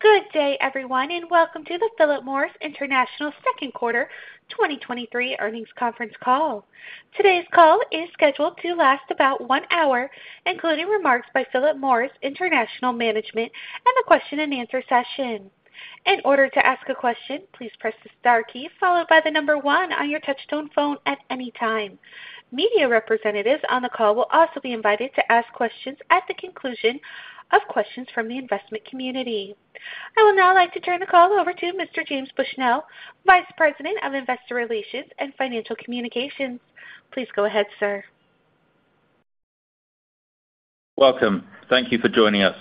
Good day, everyone, and welcome to the Philip Morris International second quarter 2023 earnings conference call. Today's call is scheduled to last about one hour, including remarks by Philip Morris International Management and a question-and-answer session. In order to ask a question, please press the star key followed by the number one on your touchtone phone at any time. Media representatives on the call will also be invited to ask questions at the conclusion of questions from the investment community. I would now like to turn the call over to Mr. James Bushnell, Vice President of Investor Relations and Financial Communications. Please go ahead, sir. Welcome. Thank you for joining us.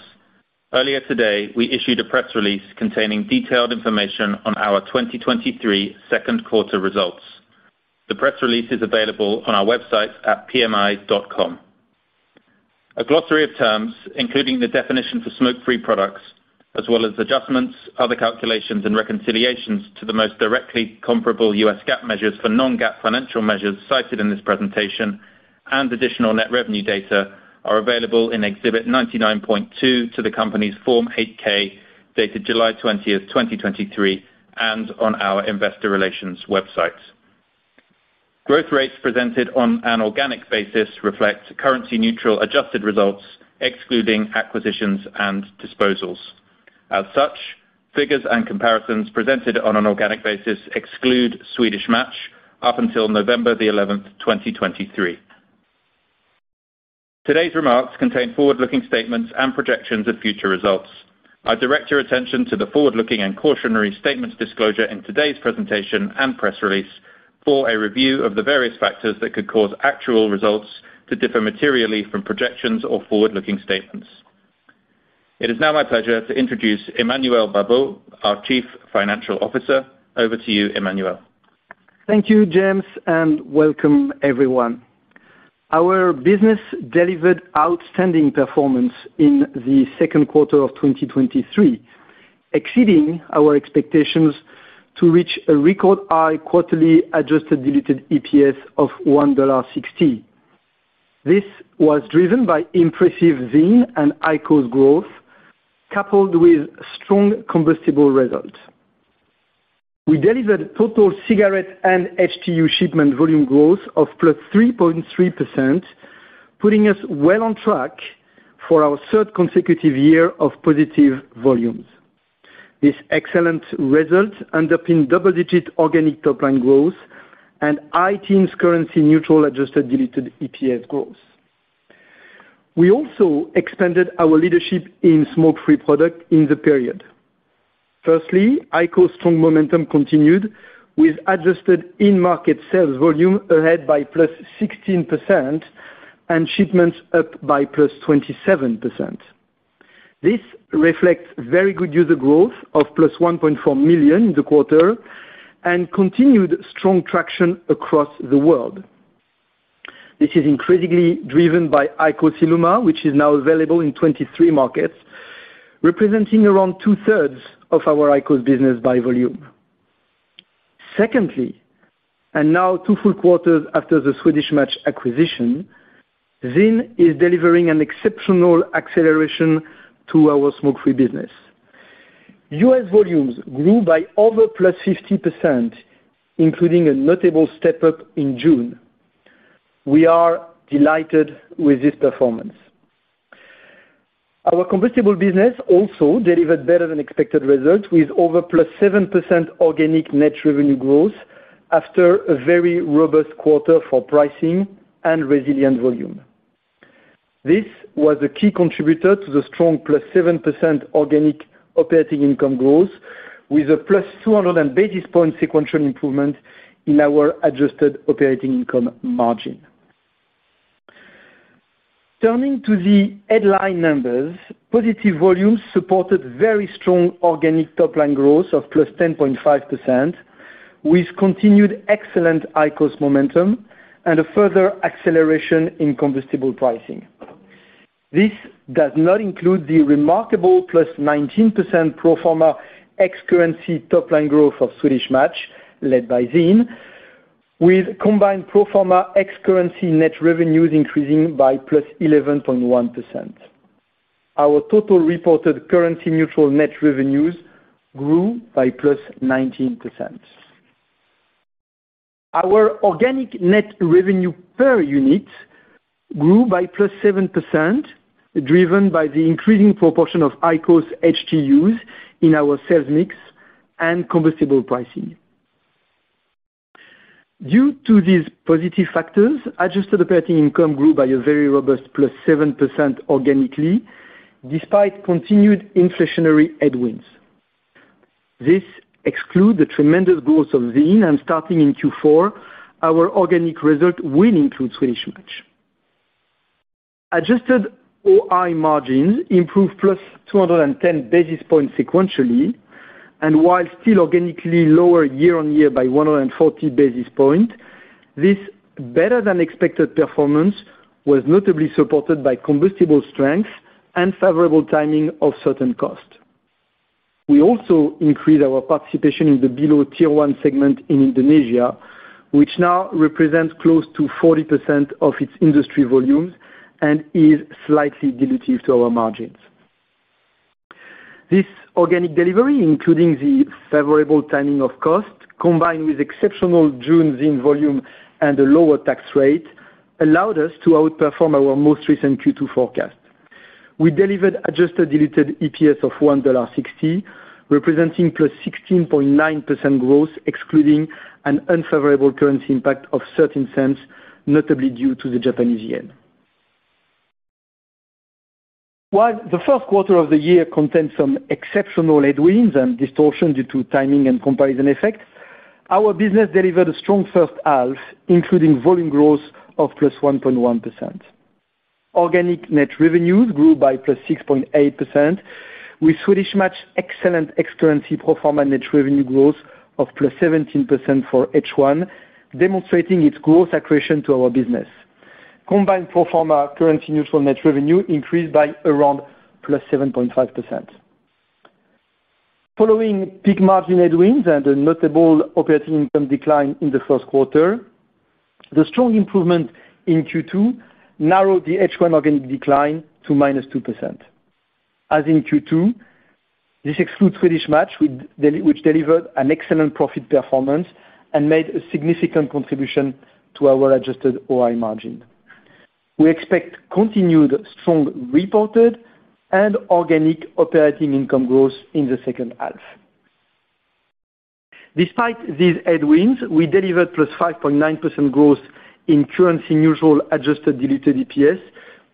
Earlier today, we issued a press release containing detailed information on our 2023 second quarter results. The press release is available on our website at pmi.com. A glossary of terms, including the definition for smoke-free products, as well as adjustments, other calculations, and reconciliations to the most directly comparable U.S. GAAP measures for non-GAAP financial measures cited in this presentation and additional net revenue data, are available in Exhibit 99.2 to the company's Form 8-K, dated July 20th, 2023, and on our investor relations website. Growth rates presented on an organic basis reflect currency-neutral adjusted results, excluding acquisitions and disposals. As such, figures and comparisons presented on an organic basis exclude Swedish Match up until November 11th, 2023. Today's remarks contain forward-looking statements and projections of future results. I direct your attention to the forward-looking and cautionary statements disclosure in today's presentation and press release for a review of the various factors that could cause actual results to differ materially from projections or forward-looking statements. It is now my pleasure to introduce Emmanuel Babeau, our Chief Financial Officer. Over to you, Emmanuel. Thank you, James, and welcome everyone. Our business delivered outstanding performance in the second quarter of 2023, exceeding our expectations to reach a record high quarterly adjusted diluted EPS of $1.60. This was driven by impressive ZYN and IQOS growth, coupled with strong combustible results. We delivered total cigarette and HTU shipment volume growth of +3.3%, putting us well on track for our third consecutive year of positive volumes. This excellent result underpinned double-digit organic top-line growth and high teens currency neutral adjusted diluted EPS growth. We also expanded our leadership in smoke-free product in the period. Firstly, IQOS strong momentum continued with adjusted in-market sales volume ahead by +16% and shipments up by +27%. This reflects very good user growth of +1.4 million in the quarter and continued strong traction across the world. This is increasingly driven by IQOS ILUMA, which is now available in 23 markets, representing around 2/3 of our IQOS business by volume. Now 2 full quarters after the Swedish Match acquisition, ZYN is delivering an exceptional acceleration to our smoke-free business. U.S. volumes grew by over +50%, including a notable step-up in June. We are delighted with this performance. Our combustible business also delivered better-than-expected results, with over +7% organic net revenue growth after a very robust quarter for pricing and resilient volume. This was a key contributor to the strong +7% organic operating income growth, with a +200 basis points sequential improvement in our adjusted operating income margin. Turning to the headline numbers, positive volumes supported very strong organic top-line growth of +10.5%, with continued excellent IQOS momentum and a further acceleration in combustible pricing. This does not include the remarkable +19% pro forma ex-currency top-line growth of Swedish Match, led by ZYN, with combined pro forma ex-currency net revenues increasing by +11.1%. Our total reported currency-neutral net revenues grew by +19%. Our organic net revenue per unit grew by +7%, driven by the increasing proportion of IQOS HTUs in our sales mix and combustible pricing. Due to these positive factors, adjusted operating income grew by a very robust +7% organically, despite continued inflationary headwinds. This excludes the tremendous growth of ZYN, and starting in Q4, our organic result will include Swedish Match. Adjusted OI margins improved +210 basis points sequentially, and while still organically lower year-over-year by 140 basis point, this better-than-expected performance was notably supported by combustible strength and favorable timing of certain costs. We also increased our participation in the below Tier 1 segment in Indonesia, which now represents close to 40% of its industry volumes and is slightly dilutive to our margins. This organic delivery, including the favorable timing of cost, combined with exceptional June ZYN volume and a lower tax rate, allowed us to outperform our most recent Q2 forecast. We delivered adjusted diluted EPS of $1.60, representing +16.9% growth, excluding an unfavorable currency impact of certain cents, notably due to the Japanese yen. While the first quarter of the year contained some exceptional headwinds and distortion due to timing and comparison effects, our business delivered a strong first half, including volume growth of +1.1%. Organic net revenues grew by +6.8%, with Swedish Match excellent ex-currency pro forma net revenue growth of +17% for H1, demonstrating its growth accretion to our business. Combined pro forma currency-neutral net revenue increased by around +7.5%. Following peak margin headwinds and a notable operating income decline in the first quarter, the strong improvement in Q2 narrowed the H1 organic decline to -2%. As in Q2, this excludes Swedish Match, which delivered an excellent profit performance and made a significant contribution to our adjusted OI margin. We expect continued strong reported and organic operating income growth in the second half. Despite these headwinds, we delivered +5.9% growth in currency neutral adjusted diluted EPS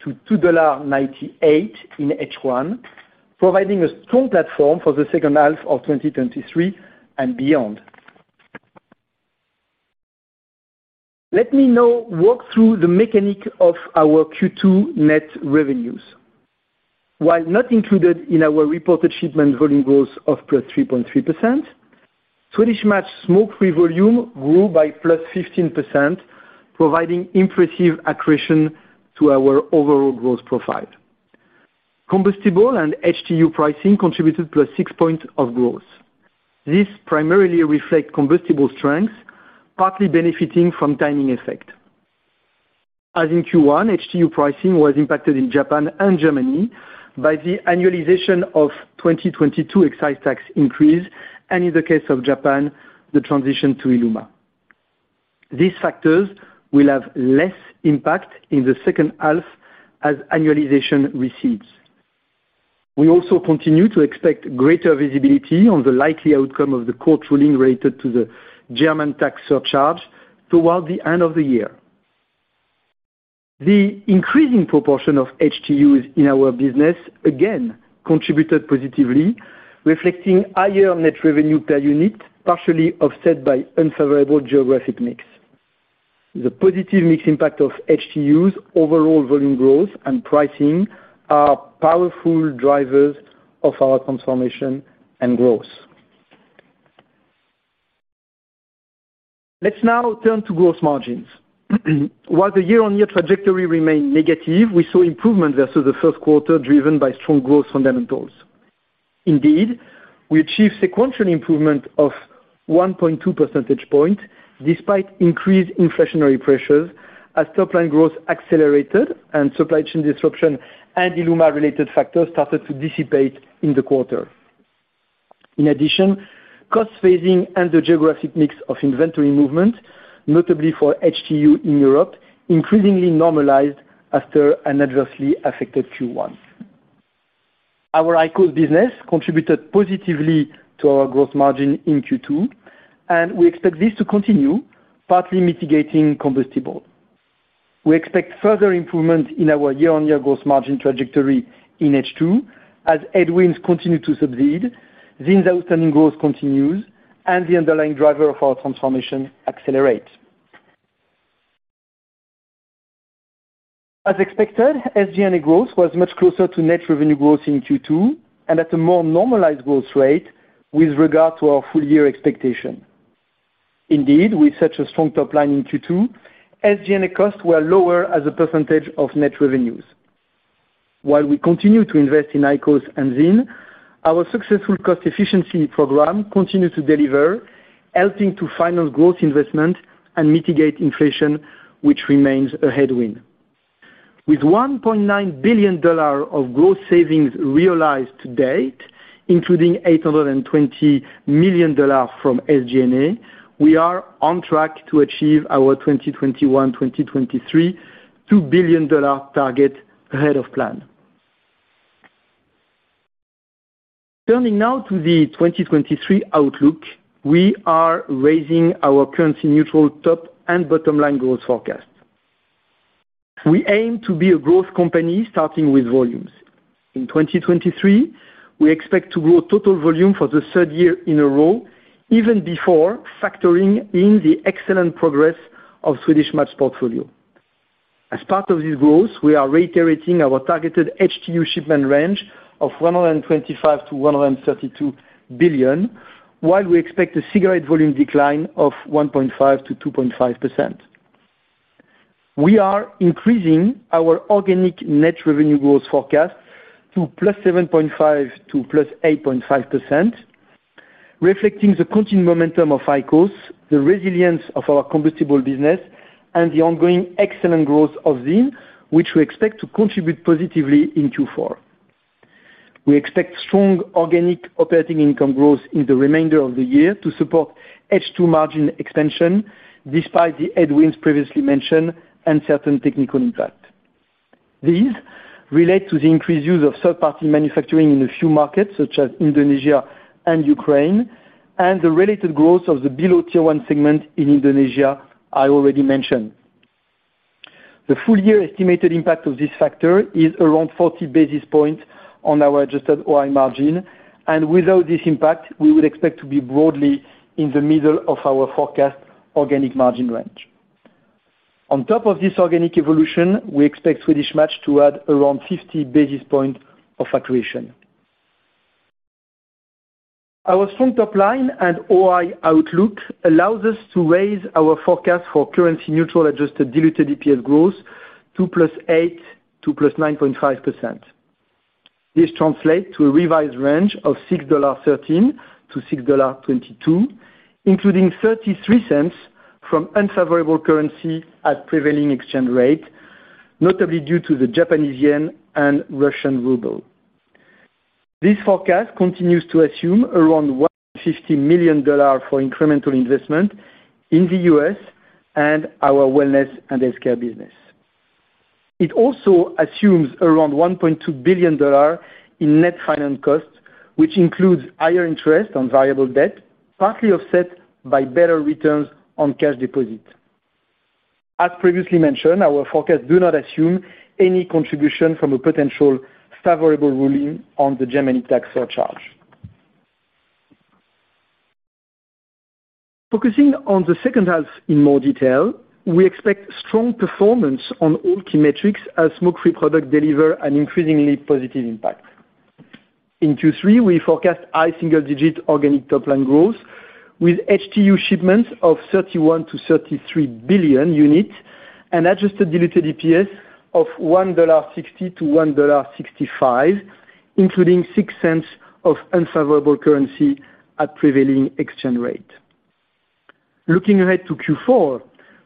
to $2.98 in H1, providing a strong platform for the second half of 2023 and beyond. Let me now walk through the mechanic of our Q2 net revenues. While not included in our reported shipment volume growth of +3.3%, Swedish Match smoke-free volume grew by +15%, providing impressive accretion to our overall growth profile. Combustible and HTU pricing contributed +6 points of growth. This primarily reflect combustible strengths, partly benefiting from timing effect. As in Q1, HTU pricing was impacted in Japan and Germany by the annualization of 2022 excise tax increase, and in the case of Japan, the transition to ILUMA. These factors will have less impact in the second half as annualization recedes. We also continue to expect greater visibility on the likely outcome of the court ruling related to the German tax surcharge towards the end of the year. The increasing proportion of HTUs in our business, again, contributed positively, reflecting higher net revenue per unit, partially offset by unfavorable geographic mix. The positive mix impact of HTUs overall volume growth and pricing are powerful drivers of our transformation and growth. Let's now turn to growth margins. While the year-on-year trajectory remained negative, we saw improvement versus the first quarter, driven by strong growth fundamentals. Indeed, we achieved sequential improvement of 1.2 percentage point despite increased inflationary pressures as top-line growth accelerated and supply chain disruption and ILUMA-related factors started to dissipate in the quarter. In addition, cost phasing and the geographic mix of inventory movement, notably for HTU in Europe, increasingly normalized after an adversely affected Q1. Our IQOS business contributed positively to our growth margin in Q2, and we expect this to continue, partly mitigating combustible. We expect further improvement in our year-over-year growth margin trajectory in H2, as headwinds continue to subside, ZYN's outstanding growth continues, the underlying driver of our transformation accelerates. As expected, SG&A growth was much closer to net revenue growth in Q2 and at a more normalized growth rate with regard to our full year expectation. Indeed, with such a strong top line in Q2, SG&A costs were lower as a % of net revenues. While we continue to invest in IQOS and ZYN, our successful cost efficiency program continues to deliver, helping to finance growth investment and mitigate inflation, which remains a headwind. With $1.9 billion of growth savings realized to date, including $820 million from SG&A, we are on track to achieve our 2021, 2023, $2 billion target ahead of plan. Turning now to the 2023 outlook, we are raising our currency neutral top and bottom-line growth forecast. We aim to be a growth company, starting with volumes. In 2023, we expect to grow total volume for the third year in a row, even before factoring in the excellent progress of Swedish Match portfolio. As part of this growth, we are reiterating our targeted HTU shipment range of 125 billion-132 billion, while we expect a cigarette volume decline of 1.5%-2.5%. We are increasing our organic net revenue growth forecast to +7.5% to +8.5%, reflecting the continued momentum of IQOS, the resilience of our combustible business, and the ongoing excellent growth of ZYN, which we expect to contribute positively in Q4. We expect strong organic operating income growth in the remainder of the year to support H2 margin expansion, despite the headwinds previously mentioned and certain technical impact. These relate to the increased use of third-party manufacturing in a few markets, such as Indonesia and Ukraine, and the related growth of the below Tier 1 segment in Indonesia I already mentioned. The full year estimated impact of this factor is around 40 basis points on our adjusted OI margin, and without this impact, we would expect to be broadly in the middle of our forecast organic margin range. On top of this organic evolution, we expect Swedish Match to add around 50 basis points of accretion. Our strong top line and OI outlook allows us to raise our forecast for currency-neutral adjusted diluted EPS growth to +8% to +9.5%. This translates to a revised range of $6.13 to $6.22, including $0.33 from unfavorable currency at prevailing exchange rate, notably due to the Japanese yen and Russian ruble. This forecast continues to assume around $150 million for incremental investment in the U.S. and our wellness and healthcare business. It also assumes around $1.2 billion in net finance costs, which includes higher interest on variable debt, partly offset by better returns on cash deposits. As previously mentioned, our forecast do not assume any contribution from a potential favorable ruling on the Germany tax surcharge. Focusing on the second half in more detail, we expect strong performance on all key metrics as smoke-free product deliver an increasingly positive impact. In Q3, we forecast high single-digit organic top-line growth, with HTU shipments of 31 billion-33 billion units and adjusted diluted EPS of $1.60-$1.65, including $0.06 of unfavorable currency at prevailing exchange rate. Looking ahead to Q4,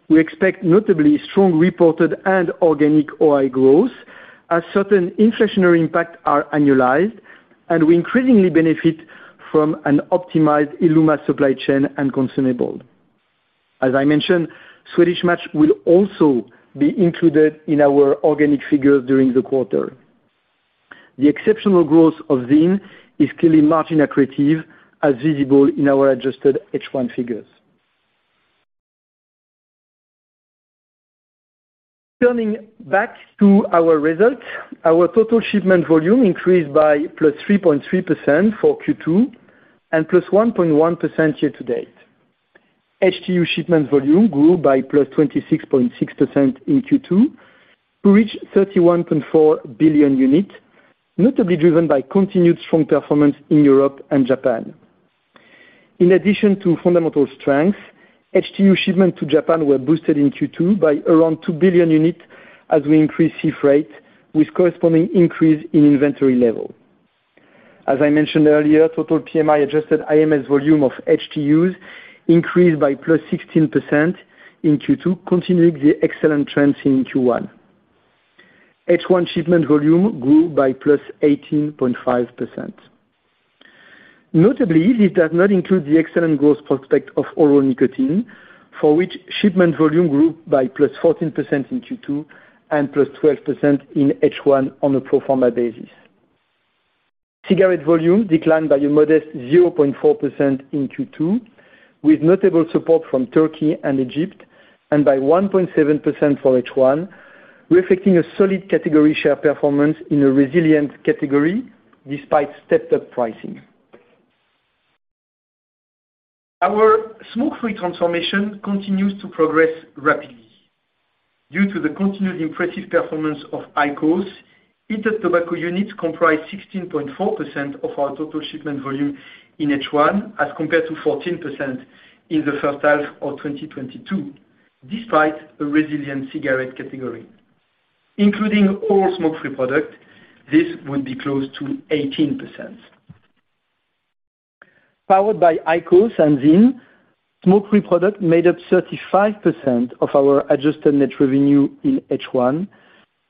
we expect notably strong reported and organic OI growth as certain inflationary impact are annualized, and we increasingly benefit from an optimized ILUMA supply chain and consumable. As I mentioned, Swedish Match will also be included in our organic figures during the quarter. The exceptional growth of ZYN is clearly margin accretive, as visible in our adjusted H1 figures. Turning back to our results, our total shipment volume increased by +3.3% for Q2 and +1.1% year-to-date. HTU shipment volume grew by +26.6% in Q2, to reach 31.4 billion units, notably driven by continued strong performance in Europe and Japan. In addition to fundamental strength, HTU shipments to Japan were boosted in Q2 by around 2 billion units as we increased sea freight, with corresponding increase in inventory level. As I mentioned earlier, total PMI-adjusted IMS volume of HTUs increased by +16% in Q2, continuing the excellent trends in Q1. H1 shipment volume grew by +18.5%. Notably, this does not include the excellent growth prospect of oral nicotine, for which shipment volume grew by +14% in Q2 and +12% in H1 on a pro forma basis. Cigarette volume declined by a modest 0.4% in Q2, with notable support from Turkey and Egypt, and by 1.7% for H1, reflecting a solid category share performance in a resilient category despite stepped-up pricing. Our smoke-free transformation continues to progress rapidly. Due to the continued impressive performance of IQOS, heated tobacco units comprise 16.4% of our total shipment volume in H1, as compared to 14% in the first half of 2022, despite a resilient cigarette category. Including all smoke-free product, this would be close to 18%. Powered by IQOS and ZYN, smoke-free product made up 35% of our adjusted net revenue in H1,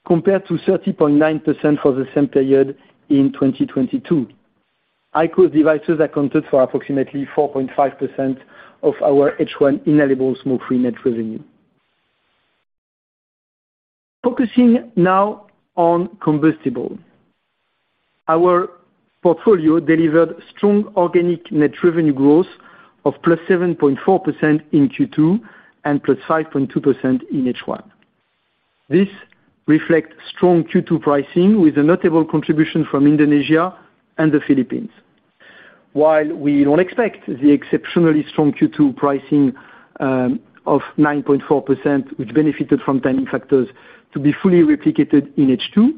compared to 30.9% for the same period in 2022. IQOS devices accounted for approximately 4.5% of our H1 inhalable smoke-free net revenue. Focusing now on combustible. Our portfolio delivered strong organic net revenue growth of +7.4% in Q2 and +5.2% in H1. This reflects strong Q2 pricing, with a notable contribution from Indonesia and the Philippines. While we don't expect the exceptionally strong Q2 pricing, of 9.4%, which benefited from timing factors, to be fully replicated in H2,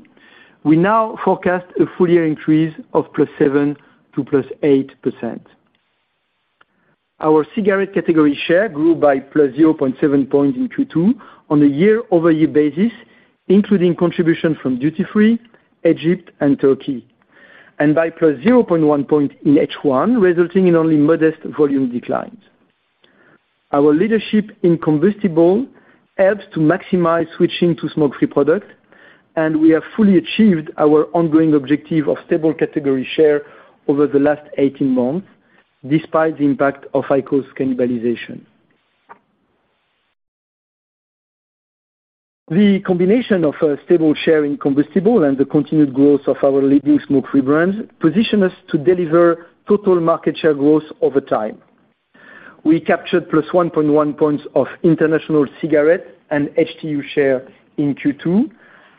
we now forecast a full-year increase of +7% to +8%. Our cigarette category share grew by +0.7 points in Q2 on a year-over-year basis, including contribution from duty-free, Egypt and Turkey, and by +0.1 point in H1, resulting in only modest volume declines. Our leadership in combustible helps to maximize switching to smoke-free products, and we have fully achieved our ongoing objective of stable category share over the last 18 months, despite the impact of IQOS cannibalization. The combination of a stable share in combustible and the continued growth of our leading smoke-free brands position us to deliver total market share growth over time. We captured +1.1 points of international cigarette and HTU share in Q2,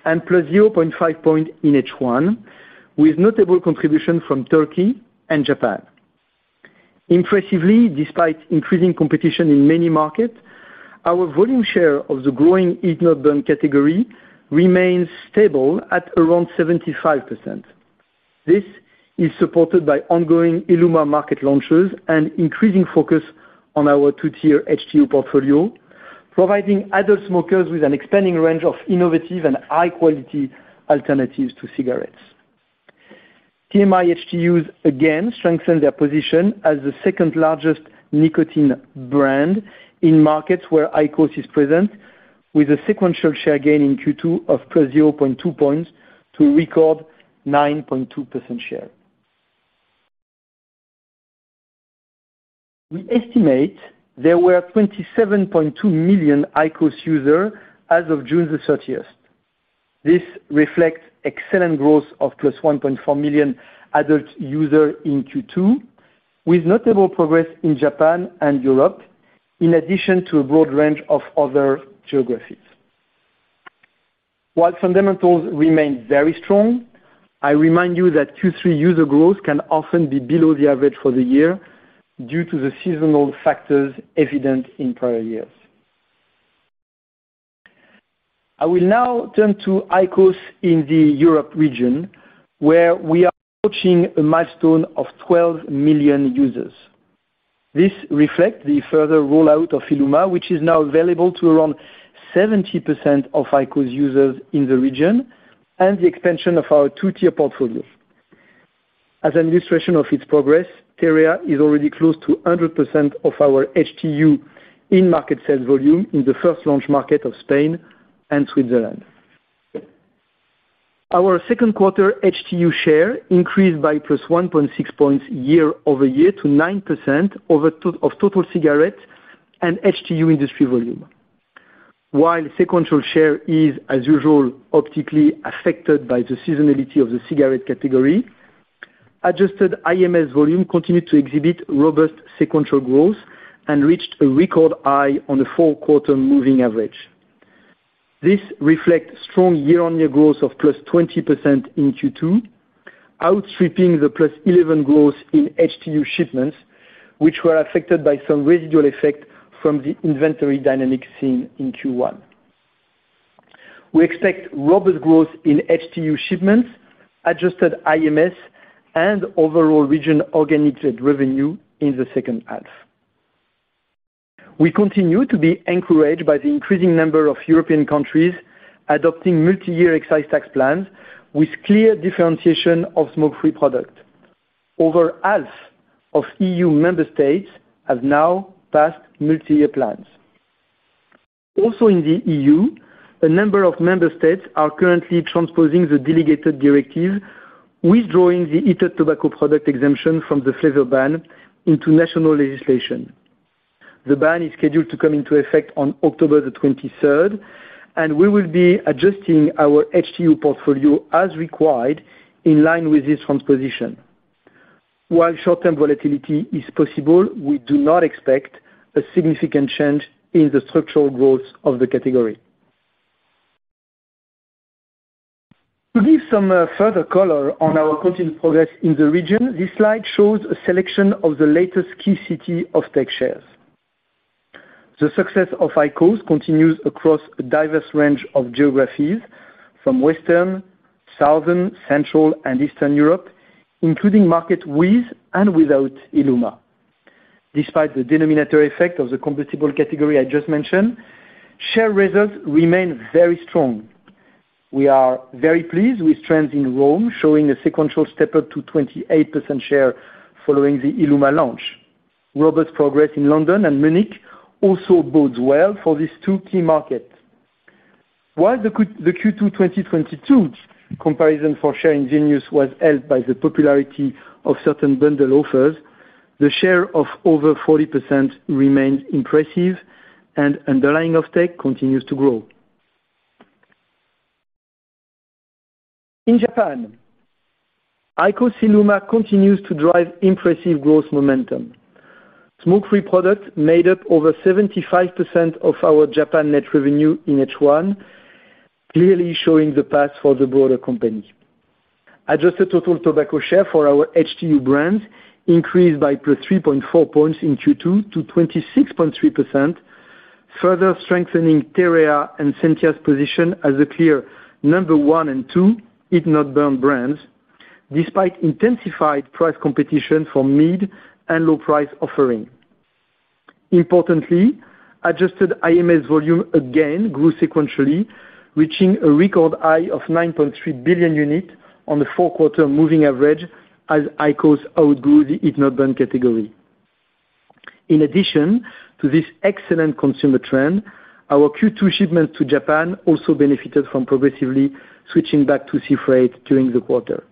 and +0.5 point in H1, with notable contribution from Turkey and Japan. Impressively, despite increasing competition in many markets, our volume share of the growing heat-not-burn category remains stable at around 75%. This is supported by ongoing ILUMA market launches and increasing focus on our two-tier HTU portfolio, providing adult smokers with an expanding range of innovative and high-quality alternatives to cigarettes. PMI HTUs again strengthen their position as the second largest nicotine brand in markets where IQOS is present, with a sequential share gain in Q2 of +0.2 points to a record 9.2% share. We estimate there were 27.2 million IQOS user as of June the 30th. This reflects excellent growth of +1.4 million adult user in Q2, with notable progress in Japan and Europe, in addition to a broad range of other geographies. While fundamentals remain very strong, I remind you that Q3 user growth can often be below the average for the year due to the seasonal factors evident in prior years. I will now turn to IQOS in the Europe region, where we are approaching a milestone of 12 million users. This reflect the further rollout of ILUMA, which is now available to around 70% of IQOS users in the region, and the expansion of our two-tier portfolio. As an illustration of its progress, TEREA is already close to 100% of our HTU in-market sales volume in the first launch market of Spain and Switzerland. Our second quarter HTU share increased by +1.6 points year-over-year to 9% of total cigarette and HTU industry volume. While sequential share is, as usual, optically affected by the seasonality of the cigarette category, adjusted IMS volume continued to exhibit robust sequential growth and reached a record high on a four-quarter moving average. This reflects strong year-on-year growth of +20% in Q2, outstripping the +11 growth in HTU shipments, which were affected by some residual effect from the inventory dynamic seen in Q1. We expect robust growth in HTU shipments, adjusted IMS, and overall region organic revenue in the second half. We continue to be encouraged by the increasing number of European countries adopting multi-year excise tax plans with clear differentiation of smoke-free product. Over half of EU member states have now passed multi-year plans. Also in the EU, a number of member states are currently transposing the Delegated Directive, withdrawing the heated tobacco product exemption from the flavor ban into national legislation. The ban is scheduled to come into effect on October 23rd. We will be adjusting our HTU portfolio as required in line with this transposition. While short-term volatility is possible, we do not expect a significant change in the structural growth of the category. To give some further color on our continued progress in the region, this slide shows a selection of the latest key city offtake shares. The success of IQOS continues across a diverse range of geographies from Western, Southern, Central, and Eastern Europe, including market with and without ILUMA. Despite the denominator effect of the combustible category I just mentioned, share results remain very strong. We are very pleased with trends in Rome, showing a sequential step up to 28% share following the ILUMA launch. Robust progress in London and Munich also bodes well for these two key markets. While the Q2 2022 comparison for share in Vilnius was helped by the popularity of certain bundle offers, the share of over 40% remains impressive and underlying offtake continues to grow. In Japan, IQOS ILUMA continues to drive impressive growth momentum. Smoke-free products made up over 75% of our Japan net revenue in H1, clearly showing the path for the broader company. Adjusted total tobacco share for our HTU brands increased by +3.4 points in Q2 to 26.3%, further strengthening TEREA and SENTIA's position as a clear number 1 and 2 heat-not-burn brands despite intensified price competition from mid and low price offering. Importantly, adjusted IMS volume again grew sequentially, reaching a record high of 9.3 billion units on the fourth quarter moving average as IQOS outgrew the heat-not-burn category. In addition to this excellent consumer trend, our Q2 shipment to Japan also benefited from progressively switching back to sea freight during the quarter.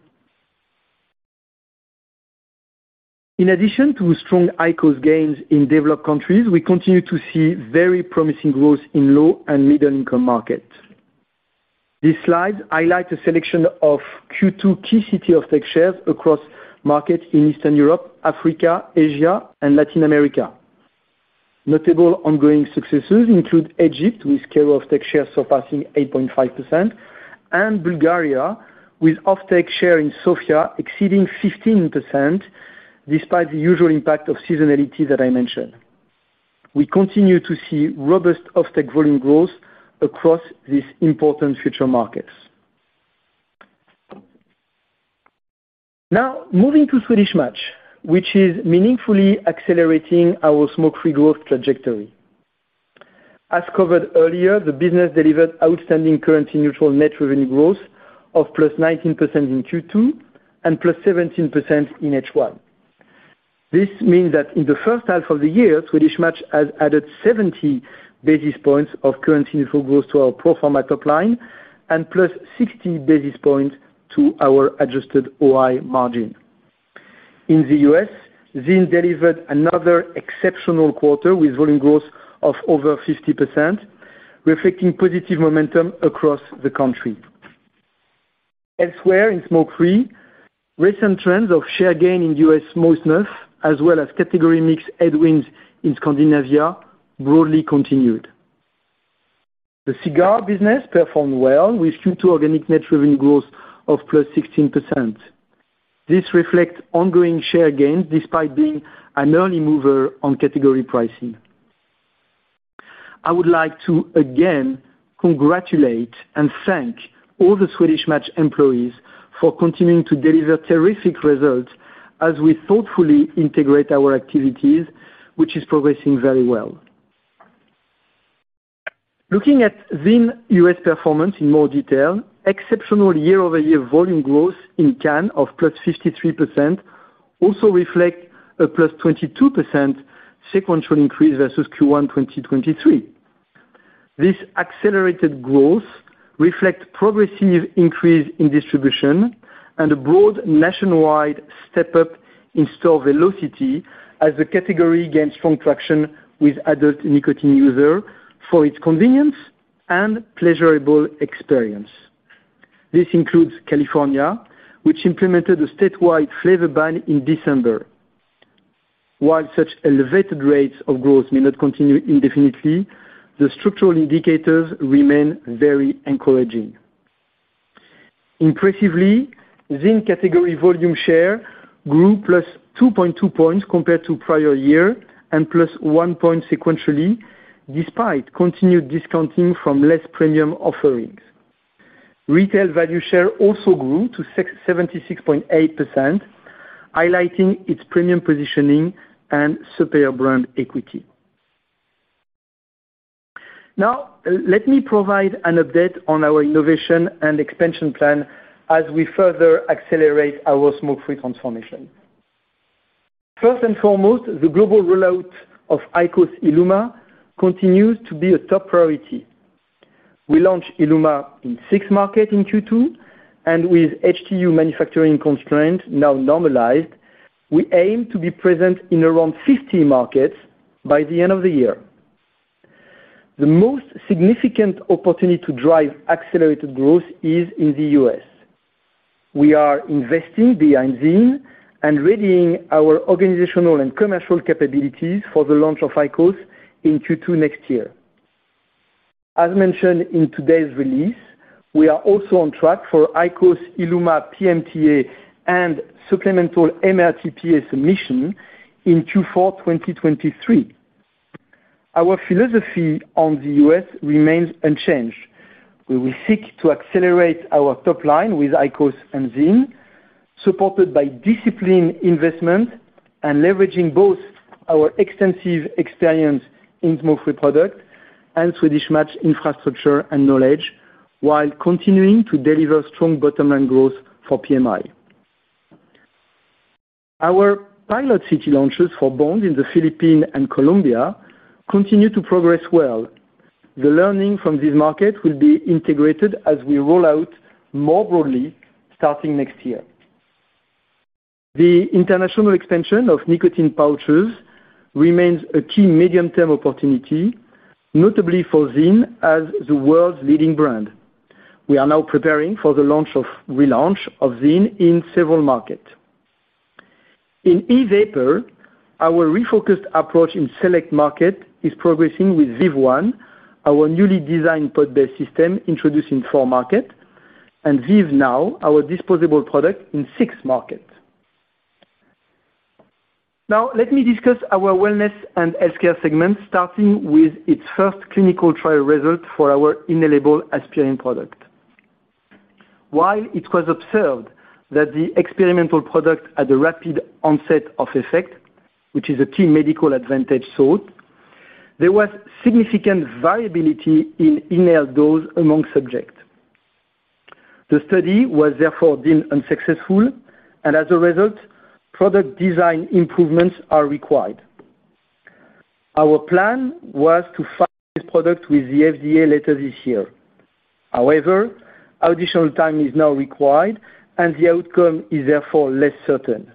In addition to strong IQOS gains in developed countries, we continue to see very promising growth in low and middle-income markets. This slide highlights a selection of Q2 key city offtake shares across markets in Eastern Europe, Africa, Asia, and Latin America. Notable ongoing successes include Egypt, with scale offtake shares surpassing 8.5%, and Bulgaria, with offtake share in Sofia exceeding 15%, despite the usual impact of seasonality that I mentioned. We continue to see robust offtake volume growth across these important future markets. Moving to Swedish Match, which is meaningfully accelerating our smoke-free growth trajectory. As covered earlier, the business delivered outstanding currency neutral net revenue growth of +19% in Q2 and +17% in H1. This means that in the first half of the year, Swedish Match has added 70 basis points of currency neutral growth to our pro forma top line and +60 basis points to our adjusted OI margin. In the U.S., ZYN delivered another exceptional quarter with volume growth of over 50%, reflecting positive momentum across the country. Elsewhere in smoke free, recent trends of share gain in U.S. smoke snuff, as well as category mix headwinds in Scandinavia, broadly continued. The cigar business performed well, with Q2 organic net revenue growth of +16%. This reflects ongoing share gains, despite being an early mover on category pricing. I would like to again congratulate and thank all the Swedish Match employees for continuing to deliver terrific results as we thoughtfully integrate our activities, which is progressing very well. Looking at Zyn U.S. performance in more detail, exceptional year-over-year volume growth in can of +53% also reflect a +22% sequential increase versus Q1 2023. This accelerated growth reflects progressive increase in distribution and a broad nationwide step-up in store velocity as the category gains strong traction with adult nicotine user for its convenience and pleasurable experience. This includes California, which implemented a statewide flavor ban in December. While such elevated rates of growth may not continue indefinitely, the structural indicators remain very encouraging. Impressively, Zyn category volume share grew +2.2 points compared to prior year and +1 point sequentially, despite continued discounting from less premium offerings. Retail value share also grew to 76.8%, highlighting its premium positioning and superior brand equity. Let me provide an update on our innovation and expansion plan as we further accelerate our smoke-free transformation. First and foremost, the global rollout of IQOS ILUMA continues to be a top priority. We launched ILUMA in 6 markets in Q2, and with HTU manufacturing constraint now normalized, we aim to be present in around 50 markets by the end of the year. The most significant opportunity to drive accelerated growth is in the U.S. We are investing behind ZYN and readying our organizational and commercial capabilities for the launch of IQOS in Q2 next year. As mentioned in today's release, we are also on track for IQOS ILUMA PMTA and supplemental MRTPA submission in Q4 2023. Our philosophy on the U.S. remains unchanged. We will seek to accelerate our top line with IQOS and Zyn, supported by disciplined investment and leveraging both our extensive experience in smoke-free product and Swedish Match infrastructure and knowledge, while continuing to deliver strong bottom line growth for PMI. Our pilot city launches for Bond in the Philippines and Colombia continue to progress well. The learning from this market will be integrated as we roll out more broadly, starting next year. The international expansion of nicotine pouches remains a key medium-term opportunity, notably for Zyn, as the world's leading brand. We are now preparing for the relaunch of Zyn in several markets. In e-vapor, our refocused approach in select market is progressing with VEEV One, our newly designed pod-based system, introduced in 4 markets, and VEEV Now, our disposable product in 6 markets. Let me discuss our wellness and healthcare segment, starting with its first clinical trial result for our inhalable aspirin product. While it was observed that the experimental product had a rapid onset of effect, which is a key medical advantage sought, there was significant variability in inhaled dose among subjects. The study was therefore deemed unsuccessful, and as a result, product design improvements are required. Our plan was to file this product with the FDA later this year. Additional time is now required, and the outcome is therefore less certain.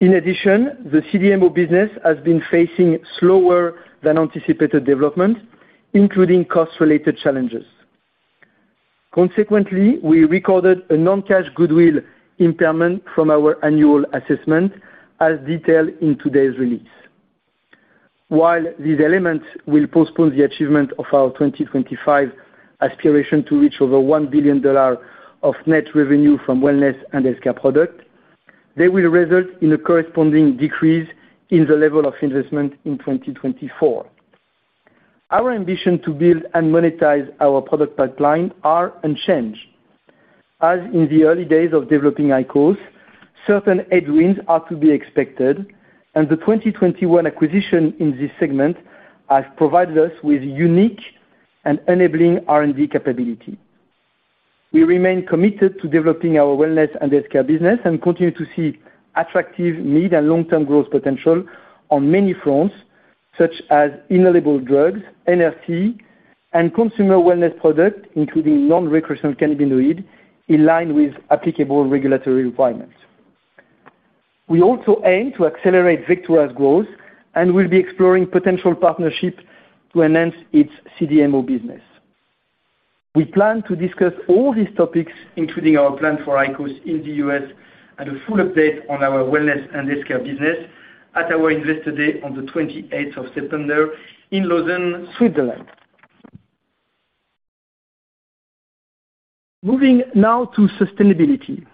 The CDMO business has been facing slower than anticipated development, including cost-related challenges. We recorded a non-cash goodwill impairment from our annual assessment, as detailed in today's release. While these elements will postpone the achievement of our 2025 aspiration to reach over $1 billion of net revenue from wellness and healthcare product, they will result in a corresponding decrease in the level of investment in 2024. Our ambition to build and monetize our product pipeline are unchanged. As in the early days of developing IQOS, certain headwinds are to be expected, and the 2021 acquisition in this segment has provided us with unique and enabling R&D capability. We remain committed to developing our wellness and healthcare business and continue to see attractive mid- and long-term growth potential on many fronts, such as inhalable drugs, NRC, and consumer wellness products, including non-recreational cannabinoid, in line with applicable regulatory requirements. We also aim to accelerate Vectura's growth and will be exploring potential partnerships to enhance its CDMO business. We plan to discuss all these topics, including our plan for IQOS in the U.S. and a full update on our wellness and healthcare business at our Investor Day on the 28th of September in Lausanne, Switzerland. Moving now to sustainability.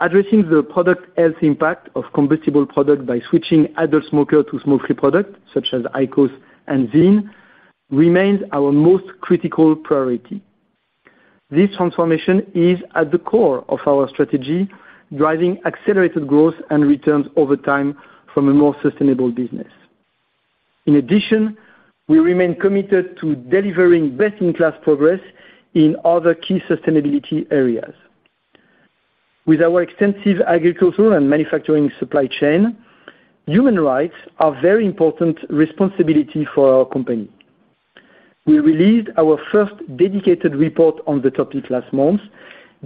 Addressing the product health impact of combustible product by switching adult smoker to smoke-free products, such as IQOS and VEEV, remains our most critical priority. This transformation is at the core of our strategy, driving accelerated growth and returns over time from a more sustainable business. In addition, we remain committed to delivering best-in-class progress in other key sustainability areas. With our extensive agricultural and manufacturing supply chain, human rights are very important responsibility for our company. We released our first dedicated report on the topic last month,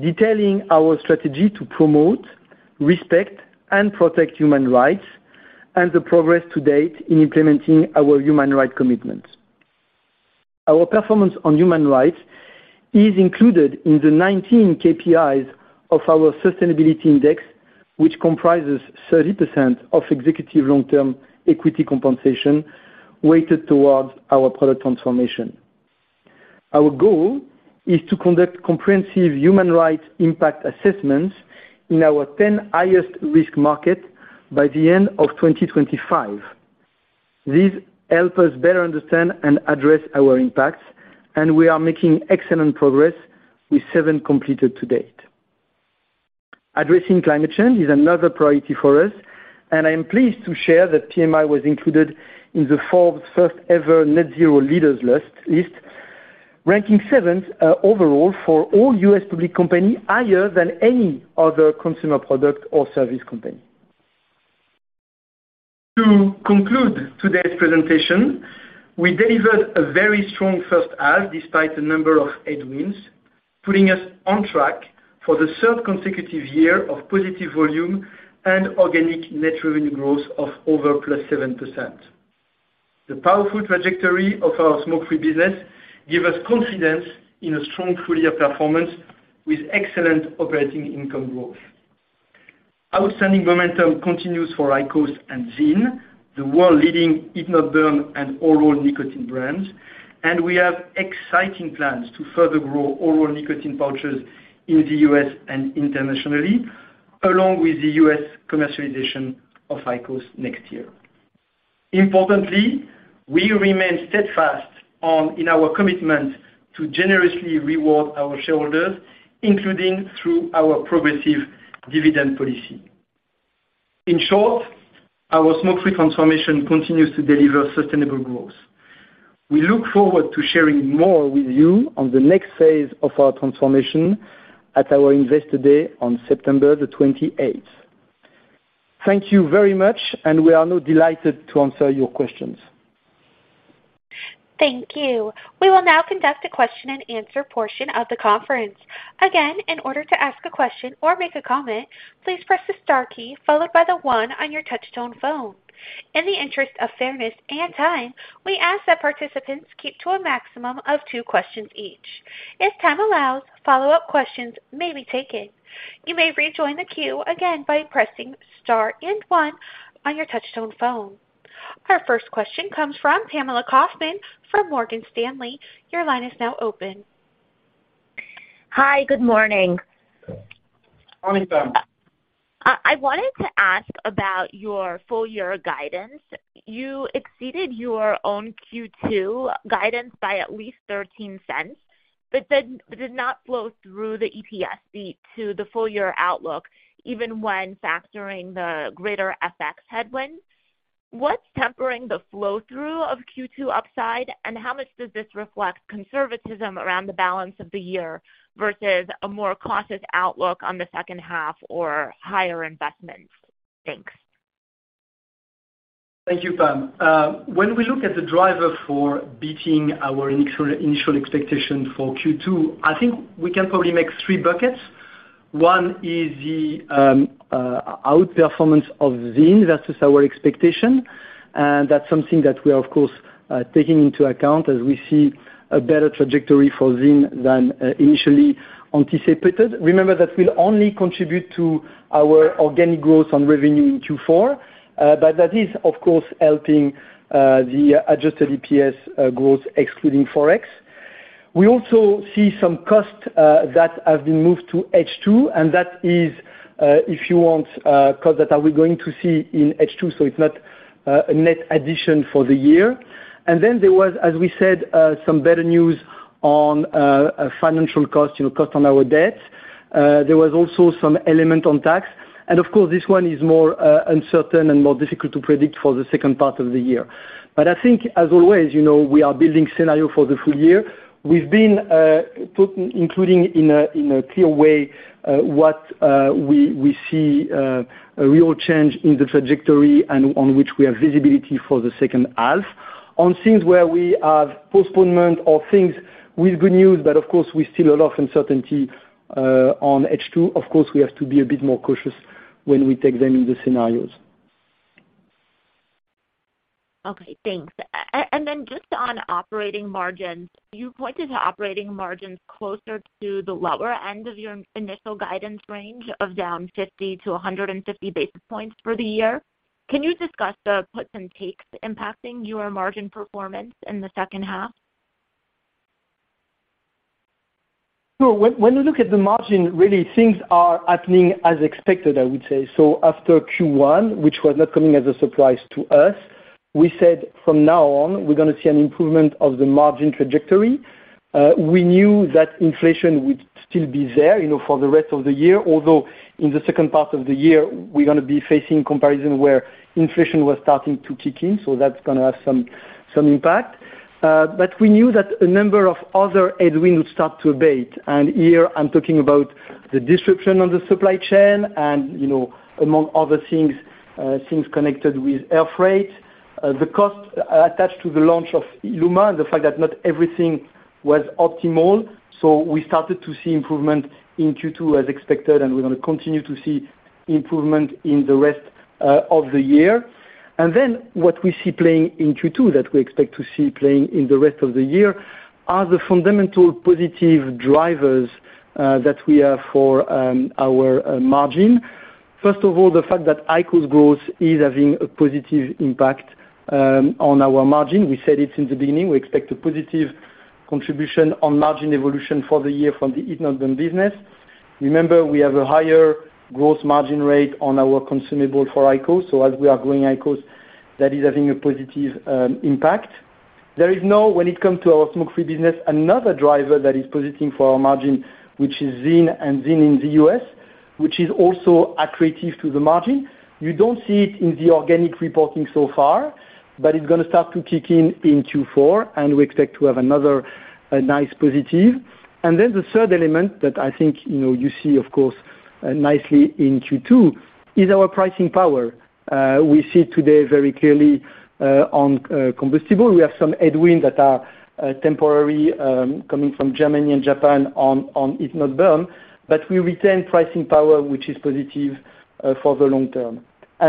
detailing our strategy to promote, respect, and protect human rights and the progress to date in implementing our human rights commitments. Our performance on human rights is included in the 19 KPIs of our Sustainability Index, which comprises 30% of executive long-term equity compensation, weighted towards our product transformation. Our goal is to conduct comprehensive human rights impact assessments in our 10 highest risk market by the end of 2025. This help us better understand and address our impacts, and we are making excellent progress, with seven completed to date. Addressing climate change is another priority for us, and I am pleased to share that PMI was included in the Forbes first-ever Net Zero Leaders List, ranking seventh overall for all U.S. public company, higher than any other consumer product or service company. To conclude today's presentation, we delivered a very strong first half, despite a number of headwinds, putting us on track for the third consecutive year of positive volume and organic net revenue growth of over +7%. The powerful trajectory of our smoke-free business give us confidence in a strong full-year performance with excellent operating income growth. Outstanding momentum continues for IQOS and ZYN, the world-leading heat-not-burn and oral nicotine brands, and we have exciting plans to further grow oral nicotine pouches in the U.S. and internationally, along with the U.S. commercialization of IQOS next year. Importantly, we remain steadfast in our commitment to generously reward our shareholders, including through our progressive dividend policy. In short, our smoke-free transformation continues to deliver sustainable growth. We look forward to sharing more with you on the next phase of our transformation at our Investor Day on September the twenty-eighth. Thank you very much. We are now delighted to answer your questions. Thank you. We will now conduct a question-and-answer portion of the conference. Again, in order to ask a question or make a comment, please press the star key followed by the 1 on your touchtone phone. In the interest of fairness and time, we ask that participants keep to a maximum of 2 questions each. If time allows, follow-up questions may be taken. You may rejoin the queue again by pressing star and 1 on your touchtone phone. Our first question comes from Pamela Kaufman from Morgan Stanley. Your line is now open. Hi, good morning. Morning, Pam. I wanted to ask about your full year guidance. You exceeded your own Q2 guidance by at least $0.13. Did not flow through the EPS beat to the full year outlook, even when factoring the greater FX headwinds. What's tempering the flow through of Q2 upside, and how much does this reflect conservatism around the balance of the year versus a more cautious outlook on the second half or higher investments? Thanks. Thank you, Pam. When we look at the driver for beating our initial expectation for Q2, I think we can probably make three buckets. One is the outperformance of ZYN versus our expectation, and that's something that we are of course, taking into account as we see a better trajectory for ZYN than initially anticipated. Remember, that will only contribute to our organic growth on revenue in Q4, but that is, of course, helping the adjusted EPS growth, excluding Forex. We also see some costs that have been moved to H2, and that is, if you want, costs that are we going to see in H2, so it's not a net addition for the year. Then there was, as we said, some better news on a financial cost, you know, cost on our debt. There was also some element on tax. Of course, this one is more uncertain and more difficult to predict for the second part of the year. I think as always, you know, we are building scenario for the full year. We've been put including in a clear way what we see a real change in the trajectory and on which we have visibility for the second half. On things where we have postponement or things with good news, but of course, we still a lot of uncertainty on H2, of course, we have to be a bit more cautious when we take them in the scenarios. Okay, thanks. Just on operating margins, you pointed to operating margins closer to the lower end of your initial guidance range of down 50 to 150 basis points for the year. Can you discuss the puts and takes impacting your margin performance in the second half? When you look at the margin, really things are happening as expected, I would say. After Q1, which was not coming as a surprise to us, we said from now on, we're gonna see an improvement of the margin trajectory. We knew that inflation would still be there, you know, for the rest of the year, although in the second part of the year, we're gonna be facing comparison where inflation was starting to kick in, so that's gonna have some impact. We knew that a number of other headwinds start to abate, and here I'm talking about the disruption on the supply chain and, you know, among other things connected with air freight. The cost attached to the launch of IQOS ILUMA, and the fact that not everything was optimal, so we started to see improvement in Q2 as expected, and we're gonna continue to see improvement in the rest of the year. What we see playing in Q2 that we expect to see playing in the rest of the year, are the fundamental positive drivers that we have for our margin. The fact that IQOS growth is having a positive impact on our margin. We said it since the beginning, we expect a positive contribution on margin evolution for the year from the heat-not-burn business. Remember, we have a higher gross margin rate on our consumable for IQOS, so as we are growing IQOS, that is having a positive impact. There is now, when it comes to our smoke-free business, another driver that is positing for our margin, which is ZYN and ZYN in the U.S., which is also accretive to the margin. You don't see it in the organic reporting so far, but it's gonna start to kick in in Q4, and we expect to have another nice positive. The third element that I think, you know, you see of course, nicely in Q2, is our pricing power. We see it today very clearly on combustible. We have some headwinds that are temporary coming from Germany and Japan on heat-not-burn, but we retain pricing power, which is positive for the long term.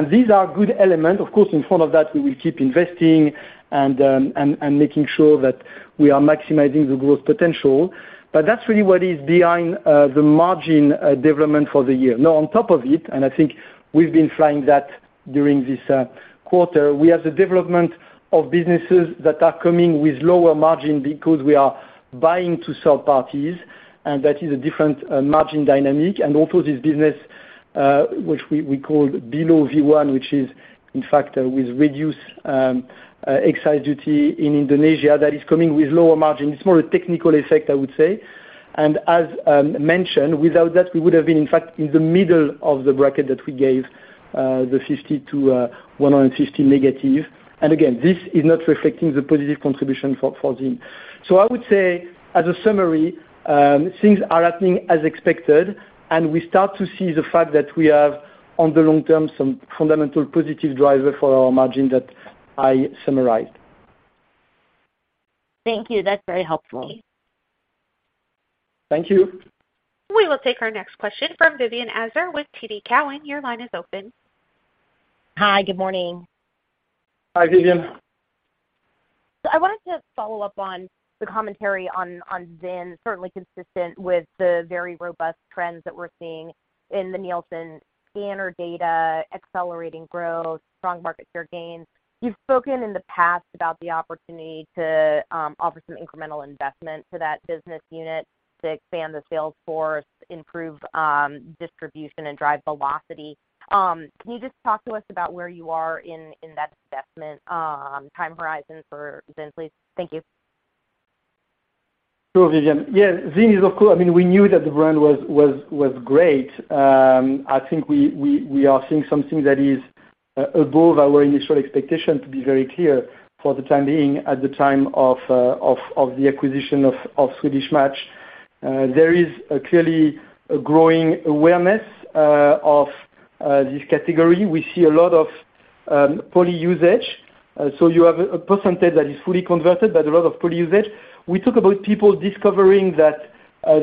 These are good elements. Of course, in front of that, we will keep investing and making sure that we are maximizing the growth potential. That's really what is behind the margin development for the year. On top of it, and I think we've been trying that during this quarter, we have the development of businesses that are coming with lower margin because we are buying to sell parties, and that is a different margin dynamic. Also this business, which we call below T1, which is in fact with reduced excise duty in Indonesia, that is coming with lower margin. It's more a technical effect, I would say. As mentioned, without that, we would have been, in fact, in the middle of the bracket that we gave, the 50 to 150 negative. Again, this is not reflecting the positive contribution for ZYN. I would say, as a summary, things are happening as expected. We start to see the fact that we have, on the long term, some fundamental positive driver for our margin that I summarized. Thank you. That's very helpful. Thank you. We will take our next question from Vivien Azer with TD Cowen. Your line is open. Hi, good morning. Hi, Vivien. I wanted to follow up on the commentary on ZYN, certainly consistent with the very robust trends that we're seeing in the NielsenIQ scanner data, accelerating growth, strong market share gains. You've spoken in the past about the opportunity to offer some incremental investment to that business unit to expand the sales force, improve distribution and drive velocity. Can you just talk to us about where you are in that investment time horizon for ZYN, please? Thank you. Sure, Vivien. Yeah, ZYN is, of course, I mean, we knew that the brand was great. I think we are seeing something that is above our initial expectation, to be very clear, for the time being, at the time of the acquisition of Swedish Match. There is a clearly a growing awareness of this category. We see a lot of dual use. You have a percentage that is fully converted, but a lot of dual use. We talk about people discovering that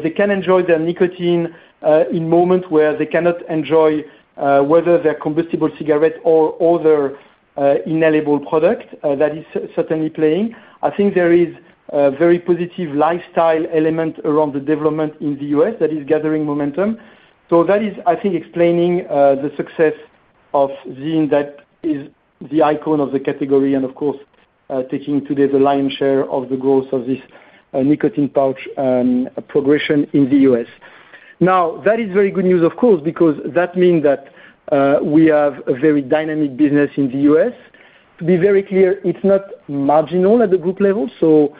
they can enjoy their nicotine in moment where they cannot enjoy, whether they're combustible cigarette or other inhalable product, that is certainly playing. I think there is a very positive lifestyle element around the development in the U.S. that is gathering momentum. That is, I think, explaining the success of ZYN that is the icon of the category and of course, taking today the lion share of the growth of this nicotine pouch progression in the U.S. That is very good news, of course, because that mean that we have a very dynamic business in the U.S. To be very clear, it's not marginal at the group level, so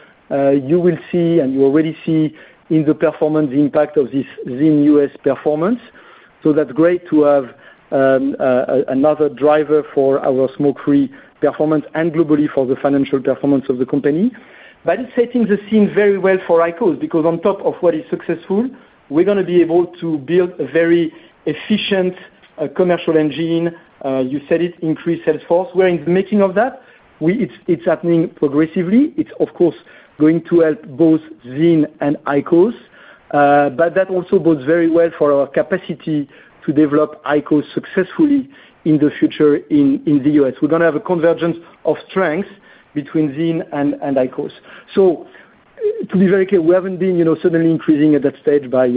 you will see, and you already see in the performance, the impact of this ZYN U.S. performance. That's great to have another driver for our smoke-free performance and globally for the financial performance of the company. It's setting the scene very well for IQOS, because on top of what is successful, we're gonna be able to build a very efficient commercial engine. You said it, increased sales force. We're in the making of that. It's happening progressively. It's of course, going to help both ZYN and IQOS, that also bodes very well for our capacity to develop IQOS successfully in the future in the U.S. We're gonna have a convergence of strengths between ZYN and IQOS. To be very clear, we haven't been, you know, suddenly increasing at that stage by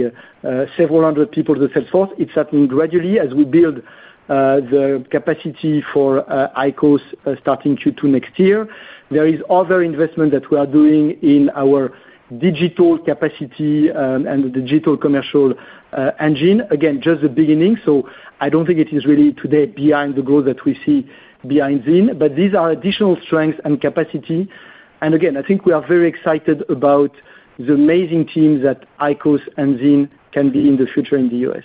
several hundred people in the sales force. It's happening gradually as we build the capacity for IQOS, starting Q2 next year. There is other investment that we are doing in our digital capacity and the digital commercial engine. Again, just the beginning, I don't think it is really today behind the goal that we see behind ZYN, these are additional strengths and capacity. Again, I think we are very excited about the amazing teams that IQOS and ZYN can be in the future in the U.S.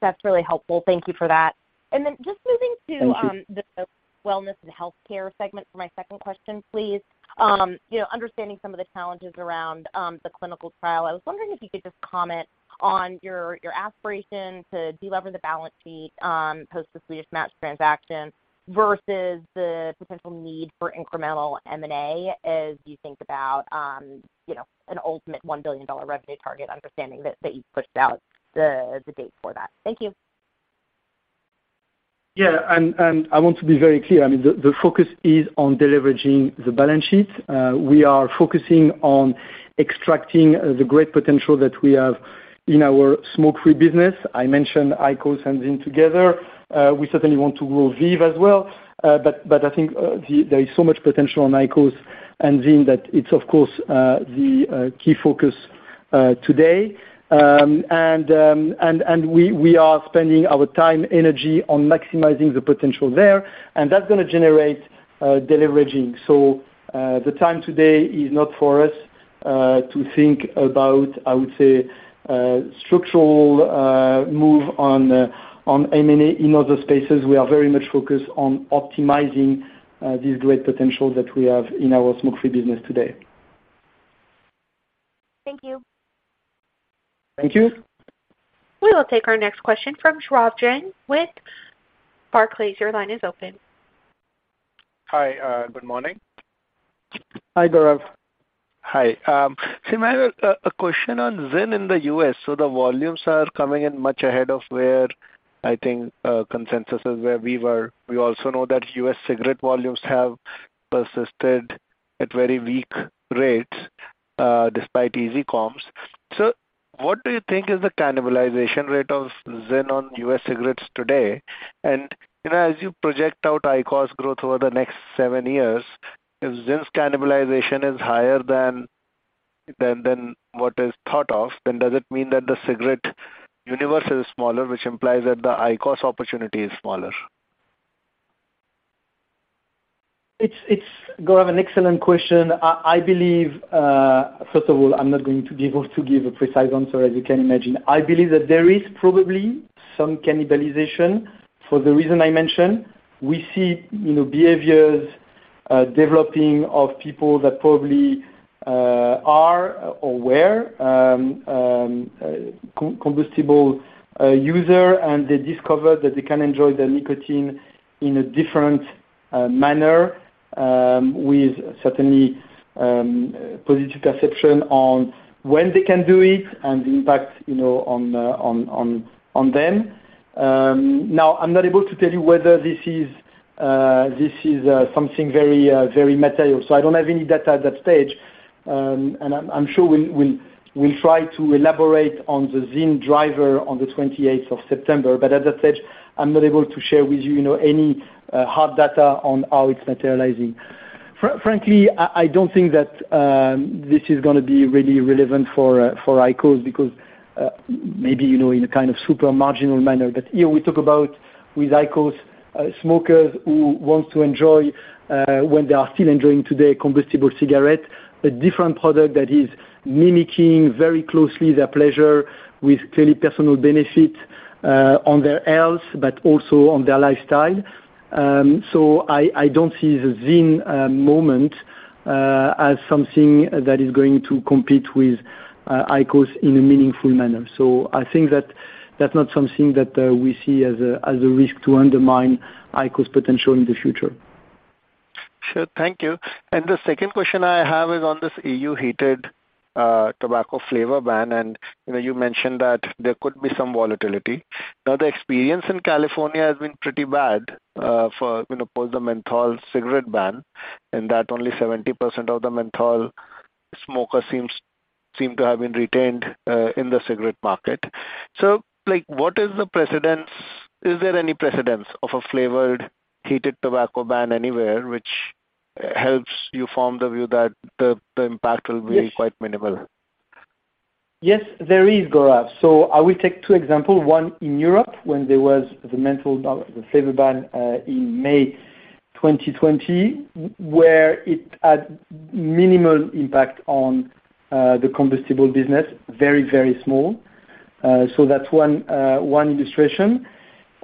That's really helpful. Thank you for that. Then just moving to. Thank you. the wellness and healthcare segment for my second question, please. you know, understanding some of the challenges around, the clinical trial, I was wondering if you could just comment on your aspiration to delever the balance sheet, post the Swedish Match transaction, versus the potential need for incremental M&A as you think about, you know, an ultimate $1 billion revenue target, understanding that you pushed out the date for that. Thank you. Yeah, I want to be very clear, I mean, the focus is on deleveraging the balance sheet. We are focusing on extracting the great potential that we have in our smoke-free business. I mentioned IQOS and ZYN together. We certainly want to grow VEEV as well, but I think there is so much potential on IQOS and ZYN that it's of course the key focus today. We are spending our time, energy on maximizing the potential there, and that's gonna generate deleveraging. The time today is not for us to think about, I would say, structural move on M&A in other spaces. We are very much focused on optimizing this great potential that we have in our smoke-free business today. Thank you. Thank you. We will take our next question from Gaurav Jain with Barclays. Your line is open. Hi, good morning. Hi, Gaurav. Hi. I have a question on ZYN in the U.S. The volumes are coming in much ahead of where I think consensus is, where we were. We also know that U.S. cigarette volumes have persisted at very weak rates despite easy comps. What do you think is the cannibalization rate of ZYN on U.S. cigarettes today? You know, as you project out IQOS growth over the next 7 years, if ZYN's cannibalization is higher than what is thought of, does it mean that the cigarette universe is smaller, which implies that the IQOS opportunity is smaller? It's Gaurav, an excellent question. I believe, first of all, I'm not going to be able to give a precise answer, as you can imagine. I believe that there is probably some cannibalization for the reason I mentioned. We see, you know, behaviors developing of people that probably are or were combustible user, and they discover that they can enjoy their nicotine in a different manner, with certainly positive perception on when they can do it and the impact, you know, on them. Now, I'm not able to tell you whether this is something very material. I don't have any data at that stage. I'm sure we'll try to elaborate on the ZYN driver on the 28th of September. As I said, I'm not able to share with you know, any hard data on how it's materializing. Frankly, I don't think that this is gonna be really relevant for for IQOS, because maybe, you know, in a kind of super marginal manner. You know, we talk about with IQOS smokers who want to enjoy, when they are still enjoying today, combustible cigarette, a different product that is mimicking very closely their pleasure with clearly personal benefit on their health, but also on their lifestyle. I don't see the ZYN moment as something that is going to compete with IQOS in a meaningful manner. I think that that's not something that we see as a risk to undermine IQOS potential in the future. Sure. Thank you. The second question I have is on this EU heated tobacco flavor ban, and you know, you mentioned that there could be some volatility. The experience in California has been pretty bad for, you know, post the menthol cigarette ban, and that only 70% of the menthol smoker seem to have been retained in the cigarette market. Like, what is the precedence? Is there any precedence of a flavored heated tobacco ban anywhere, which helps you form the view that the impact will be? Yes. quite minimal? Yes, there is, Gaurav. I will take two example. One, in Europe, when there was the menthol ban, the flavor ban, in May 2020, where it had minimal impact on the combustible business, very, very small. That's one illustration.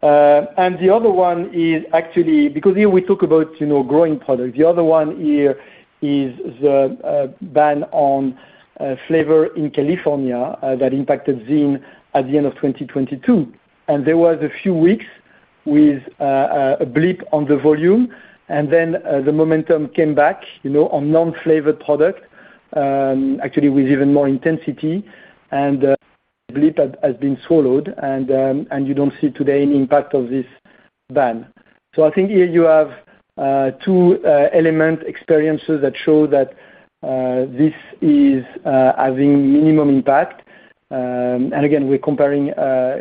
The other one is actually, because here we talk about, you know, growing product. The other one here is the ban on flavor in California, that impacted ZYN at the end of 2022. There was a few weeks with a blip on the volume, then the momentum came back, you know, on non-flavored product, actually with even more intensity, and blip has been swallowed, and you don't see today any impact of this ban. I think here you have two element experiences that show that this is having minimum impact. Again, we're comparing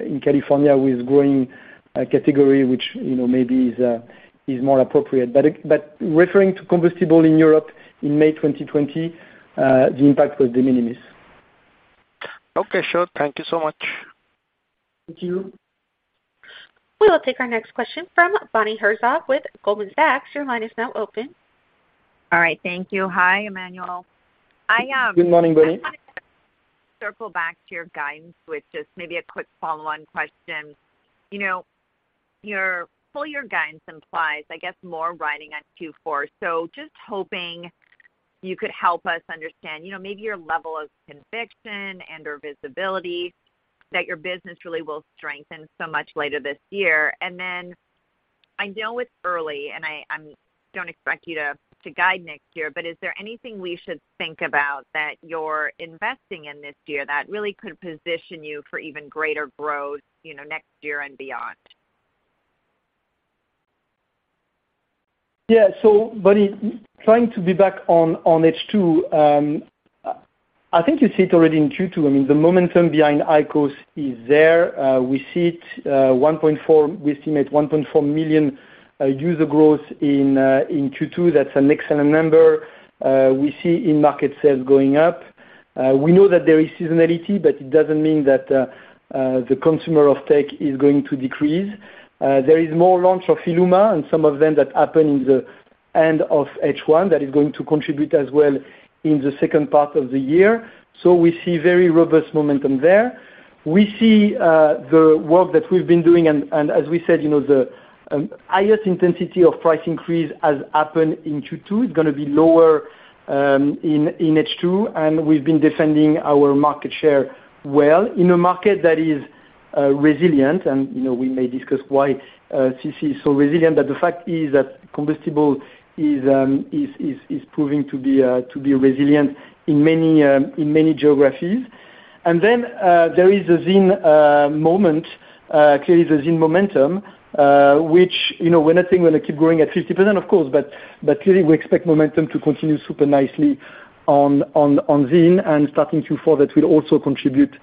in California with growing a category which, you know, maybe is more appropriate. But referring to combustible in Europe in May 2020, the impact was de minimis. Okay, sure. Thank you so much. Thank you. We will take our next question from Bonnie Herzog with Goldman Sachs. Your line is now open. All right, thank you. Hi, Emmanuel. Good morning, Bonnie. I'd like to circle back to your guidance with just maybe a quick follow-on question. You know, your full year guidance implies, I guess, more riding on Q4. Just hoping you could help us understand, you know, maybe your level of conviction and/or visibility that your business really will strengthen so much later this year. I know it's early, and I don't expect you to guide next year, but is there anything we should think about that you're investing in this year that really could position you for even greater growth, you know, next year and beyond? Bonnie, trying to be back on H2. I think you see it already in Q2. I mean, the momentum behind IQOS is there. We see it, 1.4, we estimate 1.4 million user growth in Q2. That's an excellent number. We see in-market sales going up. We know that there is seasonality, but it doesn't mean that the consumer offtake is going to decrease. There is more launch of ILUMA and some of them that happen in the end of H1, that is going to contribute as well in the second part of the year. We see very robust momentum there. We see the work that we've been doing, and as we said, you know, the highest intensity of price increase has happened in Q2, is gonna be lower in H2, and we've been defending our market share well in a market that is resilient. You know, we may discuss why CC is so resilient, but the fact is that combustible is proving to be resilient in many geographies. There is a ZYN moment, clearly the ZYN momentum, which, you know, we're not saying we're gonna keep growing at 50%, of course, but clearly, we expect momentum to continue super nicely on ZYN, and starting Q4, that will also contribute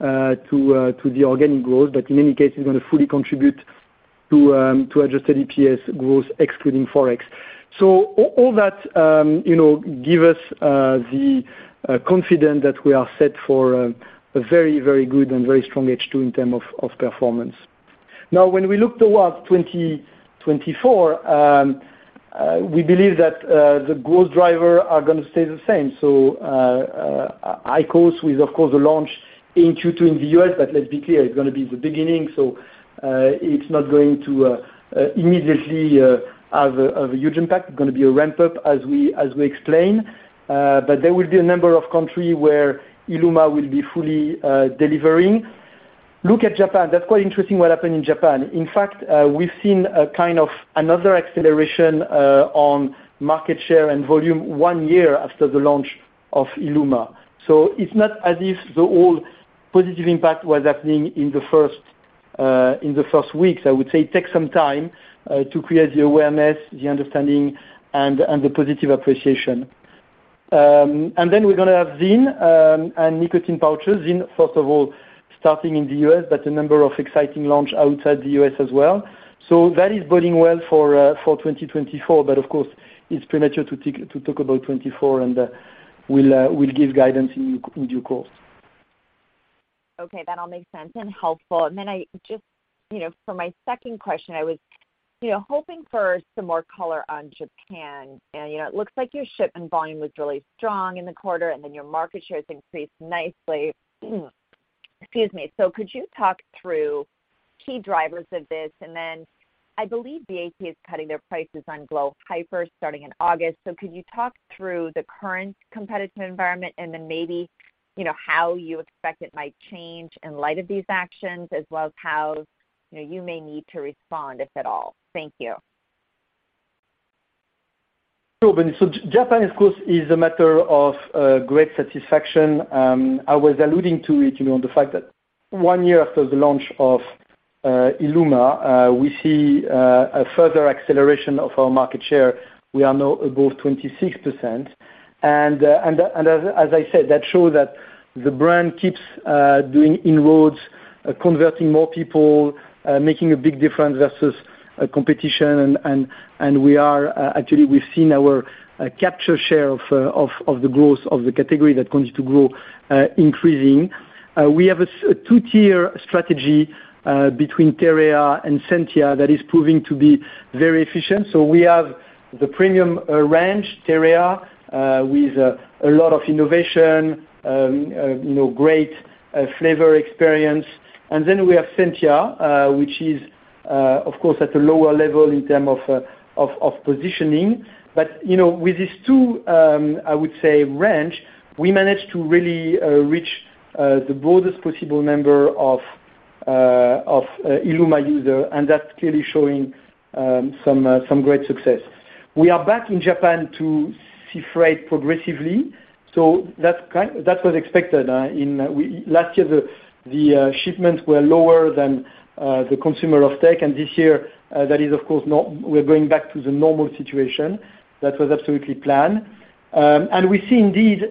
to the organic growth. In any case, it's gonna fully contribute to adjusted EPS growth, excluding Forex. All that, you know, give us the confidence that we are set for a very, very good and very strong H2 in term of performance. When we look towards 2024, we believe that the growth driver are gonna stay the same. IQOS with, of course, the launch in Q2 in the U.S., but let's be clear, it's gonna be the beginning, so it's not going to immediately have a huge impact. It's gonna be a ramp-up as we explain. There will be a number of country where ILUMA will be fully delivering. Look at Japan. That's quite interesting what happened in Japan. In fact, we've seen a kind of another acceleration on market share and volume one year after the launch of ILUMA. It's not as if the whole positive impact was happening in the first, in the first weeks. I would say it takes some time to create the awareness, the understanding, and the positive appreciation. Then we're gonna have ZYN, and nicotine pouches. ZYN, first of all, starting in the U.S., but a number of exciting launch outside the U.S. as well. That is boding well for 2024. Of course, it's premature to talk about 2024, and we'll give guidance in due course. Okay, that all makes sense and helpful. I just, you know, for my second question, I was, you know, hoping for some more color on Japan, and, you know, it looks like your shipping volume was really strong in the quarter, your market shares increased nicely. Excuse me. Could you talk through key drivers of this? I believe BAT is cutting their prices on glo HYPER, starting in August. Could you talk through the current competitive environment and then maybe, you know, how you expect it might change in light of these actions, as well as how, you know, you may need to respond, if at all? Thank you. Sure, Bonnie. Japan, of course, is a matter of great satisfaction. I was alluding to it, you know, the fact that 1 year after the launch of ILUMA, we see a further acceleration of our market share. We are now above 26%. As I said, that shows that the brand keeps doing inroads, converting more people, making a big difference versus competition. And we are actually, we've seen our capture share of the growth of the category that continues to grow, increasing. We have a 2-tier strategy between Terea and SENTIA that is proving to be very efficient. We have the premium range, Terea, with a lot of innovation, you know, great flavor experience. We have SENTIA, which is, of course, at a lower level in term of positioning. You know, with these two, I would say, range, we managed to really reach the broadest possible member of IQOS ILUMA user, and that's clearly showing some great success. We are back in Japan to sea freight progressively, that was expected. Last year, the shipments were lower than the consumer offtake, this year, that is, of course, we're going back to the normal situation. That was absolutely planned. We see indeed,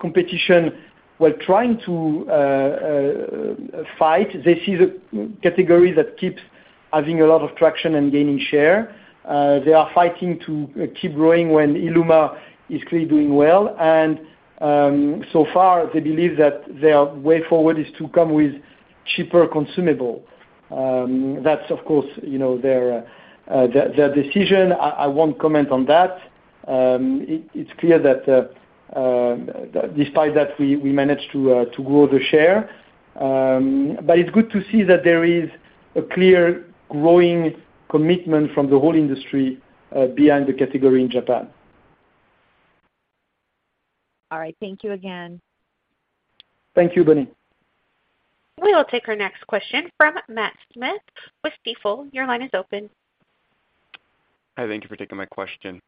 competition while trying to fight. They see the category that keeps having a lot of traction and gaining share. They are fighting to keep growing when ILUMA is clearly doing well, and so far, they believe that their way forward is to come with cheaper consumable. That's, of course, their decision. I won't comment on that. It's clear that despite that, we managed to grow the share. It's good to see that there is a clear growing commitment from the whole industry behind the category in Japan. All right. Thank you again. Thank you, Bonnie. We will take our next question from Matt Smith with Stifel. Your line is open. Hi, thank you for taking my question.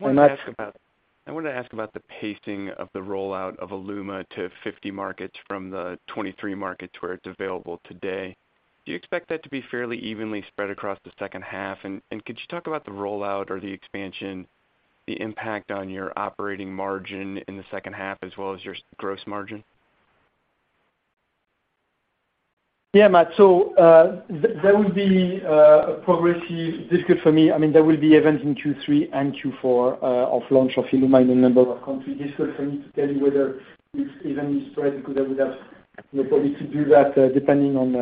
Hi, Matt. I wanted to ask about the pacing of the rollout of ILUMA to 50 markets from the 23 markets where it's available today. Do you expect that to be fairly evenly spread across the second half? Could you talk about the rollout or the expansion, the impact on your operating margin in the second half, as well as your gross margin? Matt. There will be a progressive, difficult for me, I mean, there will be events in Q3 and Q4 of launch of ILUMA in a number of countries. It's hard for me to tell you whether it's evenly spread, because I would have the ability to do that, depending on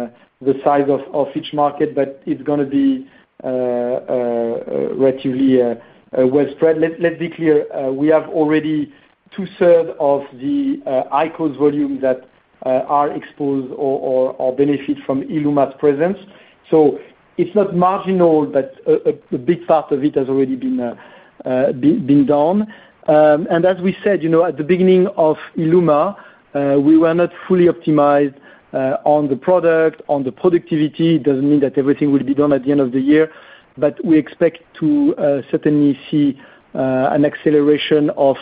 the size of each market, but it's gonna be relatively well spread. Let's be clear, we have already two-third of the IQOS volume that are exposed or benefit from ILUMA's presence. It's not marginal, but a big part of it has already been done. As we said, you know, at the beginning of ILUMA, we were not fully optimized on the product, on the productivity. It doesn't mean that everything will be done at the end of the year, but we expect to certainly see an acceleration of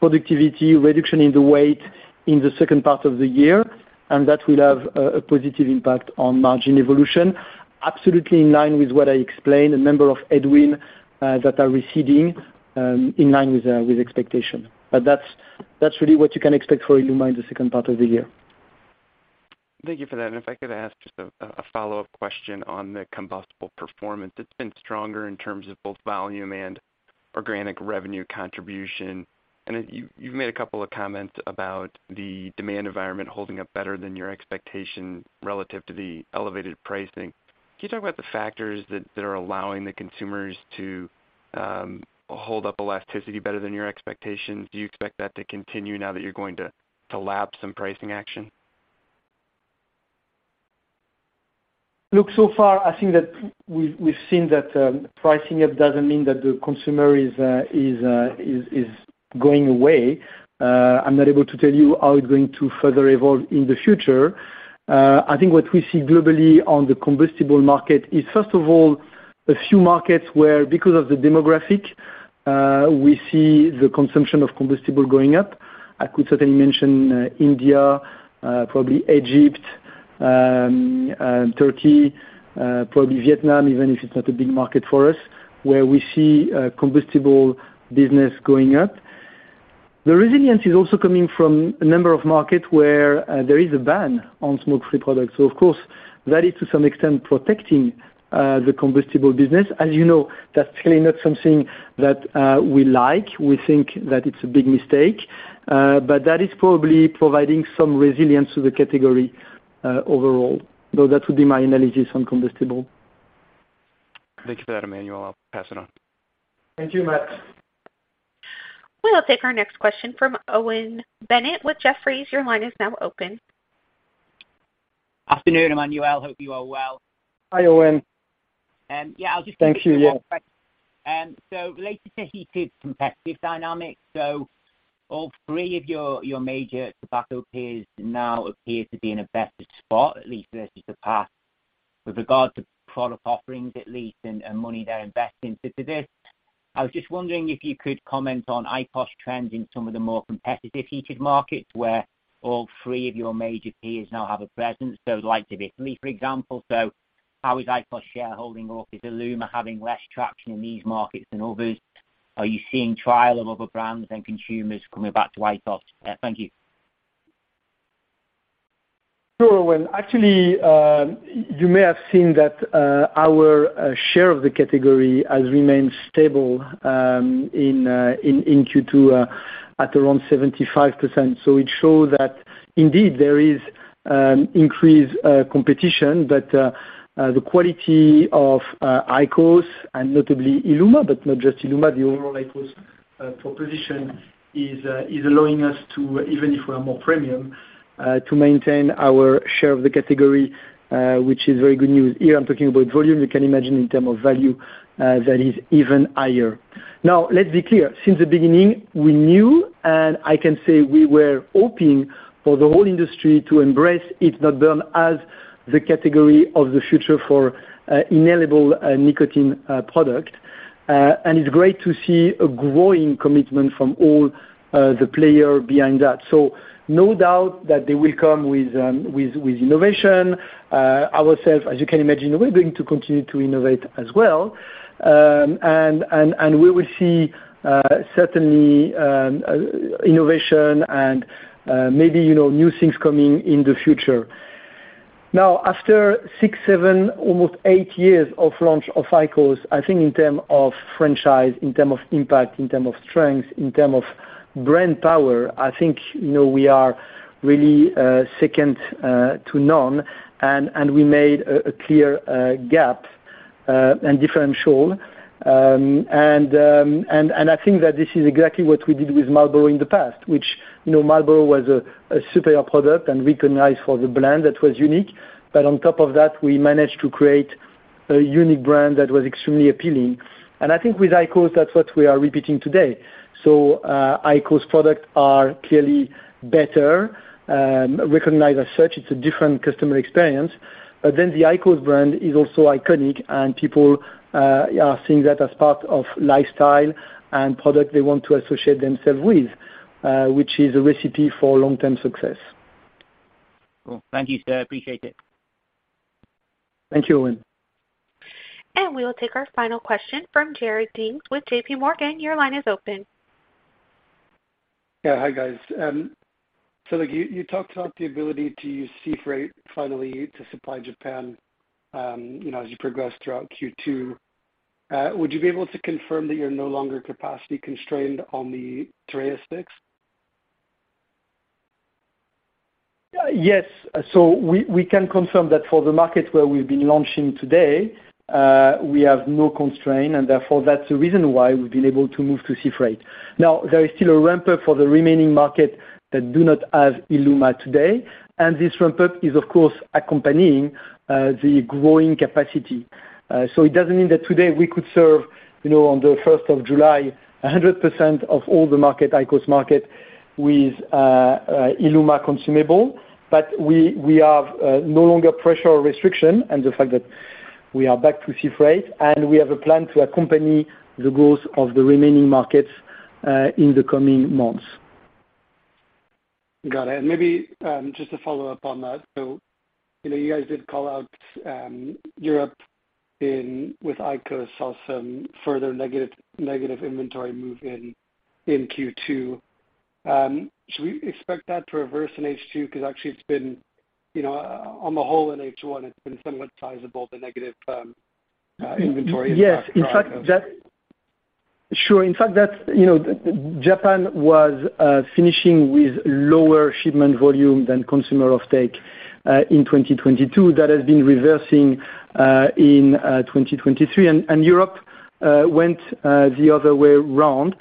productivity, reduction in the weight in the second part of the year, and that will have a positive impact on margin evolution. Absolutely in line with what I explained, a number of annualizations that are receding in line with expectation. That's really what you can expect for ILUMA in the second part of the year. Thank you for that. If I could ask just a follow-up question on the combustible performance, it's been stronger in terms of both volume and organic revenue contribution. Then you've made a couple of comments about the demand environment holding up better than your expectation relative to the elevated pricing. Can you talk about the factors that are allowing the consumers to hold up elasticity better than your expectations? Do you expect that to continue now that you're going to lapse some pricing action? Look, so far, I think that we've seen that pricing up doesn't mean that the consumer is going away. I'm not able to tell you how it's going to further evolve in the future. I think what we see globally on the combustible market is, first of all, a few markets where, because of the demographic, we see the consumption of combustible going up. I could certainly mention India, probably Egypt, Turkey, probably Vietnam, even if it's not a big market for us, where we see a combustible business going up. The resilience is also coming from a number of market where there is a ban on smoke-free products. Of course, that is to some extent protecting the combustible business. As you know, that's clearly not something that we like. We think that it's a big mistake, but that is probably providing some resilience to the category, overall, though that would be my analysis on combustible. Thank you for that, Emmanuel. I'll pass it on. Thank you, Matt. We'll take our next question from Owen Bennett with Jefferies. Your line is now open. Afternoon, Emmanuel. Hope you are well. Hi, Owen. Yeah. Thank you, yeah. Related to heated competitive dynamics, so all three of your major tobacco peers now appear to be in a better spot, at least versus the past, with regard to product offerings, at least, and money they're investing. To this, I was just wondering if you could comment on IQOS trends in some of the more competitive heated markets, where all three of your major peers now have a presence, so like the Italy, for example. How is IQOS shareholding or is ILUMA having less traction in these markets than others? Are you seeing trial of other brands and consumers coming back to IQOS? Thank you. Sure, Owen. Actually, you may have seen that our share of the category has remained stable in Q2 at around 75%. It shows that indeed there is increased competition, but the quality of IQOS and notably ILUMA, but not just ILUMA, the overall IQOS proposition is allowing us to, even if we are more premium, to maintain our share of the category, which is very good news. Here, I'm talking about volume. You can imagine in term of value, that is even higher. Now, let's be clear. Since the beginning, we knew, and I can say we were hoping for the whole industry to embrace heat-not-burn as the category of the future for inhalable nicotine product. It's great to see a growing commitment from all the player behind that. No doubt that they will come with innovation. Ourself, as you can imagine, we're going to continue to innovate as well. We will see, certainly, innovation and, you know, new things coming in the future. Now, after six, seven, almost eight years of launch of IQOS, I think in term of franchise, in term of impact, in term of strength, in term of brand power, I think, you know, we are really second to none, and we made a clear gap and differential. I think that this is exactly what we did with Marlboro in the past, which, you know, Marlboro was a superior product and recognized for the brand that was unique. On top of that, we managed to create a unique brand that was extremely appealing. I think with IQOS, that's what we are repeating today. IQOS products are clearly better, recognized as such. It's a different customer experience. The IQOS brand is also iconic, and people are seeing that as part of lifestyle and product they want to associate themselves with, which is a recipe for long-term success. Cool. Thank you, sir. I appreciate it. Thank you, Owen. We will take our final question from Jared Dinges with JP Morgan. Your line is open. Yeah, hi, guys. Like you talked about the ability to use sea freight finally to supply Japan, you know, as you progress throughout Q2. Would you be able to confirm that you're no longer capacity constrained on the TEREA sticks? Yes. We can confirm that for the markets where we've been launching today, we have no constraint, and therefore, that's the reason why we've been able to move to sea freight. There is still a ramp-up for the remaining market that do not have ILUMA today, and this ramp-up is, of course, accompanying the growing capacity. It doesn't mean that today we could serve, you know, on the 1st of July, 100% of all the market, IQOS market, with ILUMA consumable, but we have no longer pressure or restriction and the fact that we are back to sea freight, and we have a plan to accompany the growth of the remaining markets in the coming months. Got it. Maybe, just to follow up on that, so you know, you guys did call out, Europe in with IQOS, saw some further negative inventory move in Q2. Should we expect that to reverse in H2? Because actually it's been, you know, on the whole in H1, it's been somewhat sizable, the negative, inventory. Yes, in fact, Sure. In fact, that, you know, Japan was finishing with lower shipment volume than consumer offtake in 2022. That has been reversing in 2023, and Europe went the other way around.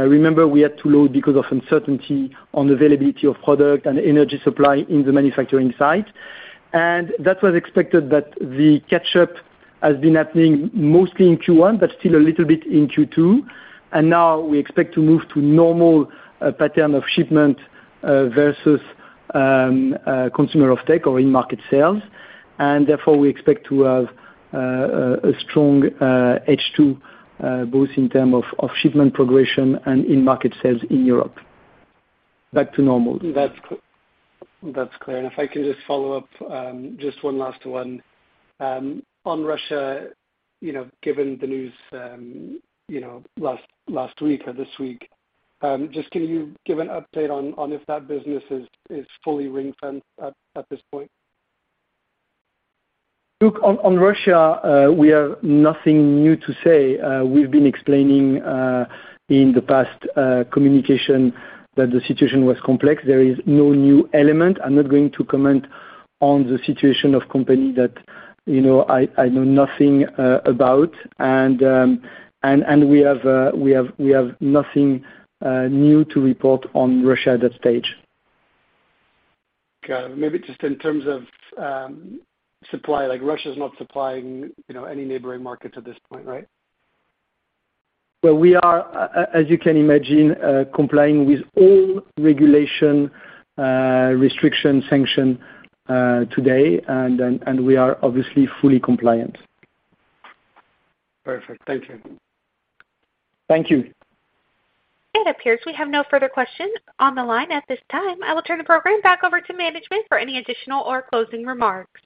Remember, we had to load because of uncertainty on availability of product and energy supply in the manufacturing site. That was expected that the catch up has been happening mostly in Q1, but still a little bit in Q2. Now we expect to move to normal pattern of shipment versus consumer offtake or in-market sales. Therefore, we expect to have a strong H2 both in term of shipment progression and in-market sales in Europe. Back to normal. That's clear. If I can just follow up, just one last one. On Russia, you know, given the news, you know, last week or this week, just can you give an update on if that business is fully ring-fenced at this point? Look, on Russia, we have nothing new to say. We've been explaining in the past communication that the situation was complex. There is no new element. I'm not going to comment on the situation of company that, you know, I know nothing about. We have nothing new to report on Russia at that stage. Okay. Maybe just in terms of supply, like, Russia's not supplying, you know, any neighboring markets at this point, right? Well, we are, as you can imagine, complying with all regulation, restriction, sanction, today. We are obviously fully compliant. Perfect. Thank you. Thank you. It appears we have no further questions on the line at this time. I will turn the program back over to management for any additional or closing remarks.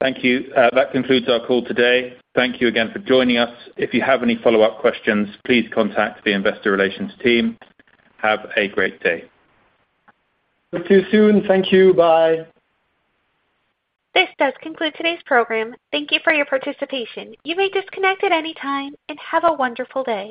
Thank you. That concludes our call today. Thank you again for joining us. If you have any follow-up questions, please contact the investor relations team. Have a great day. Talk to you soon. Thank you. Bye. This does conclude today's program. Thank you for your participation. You may disconnect at any time, and have a wonderful day.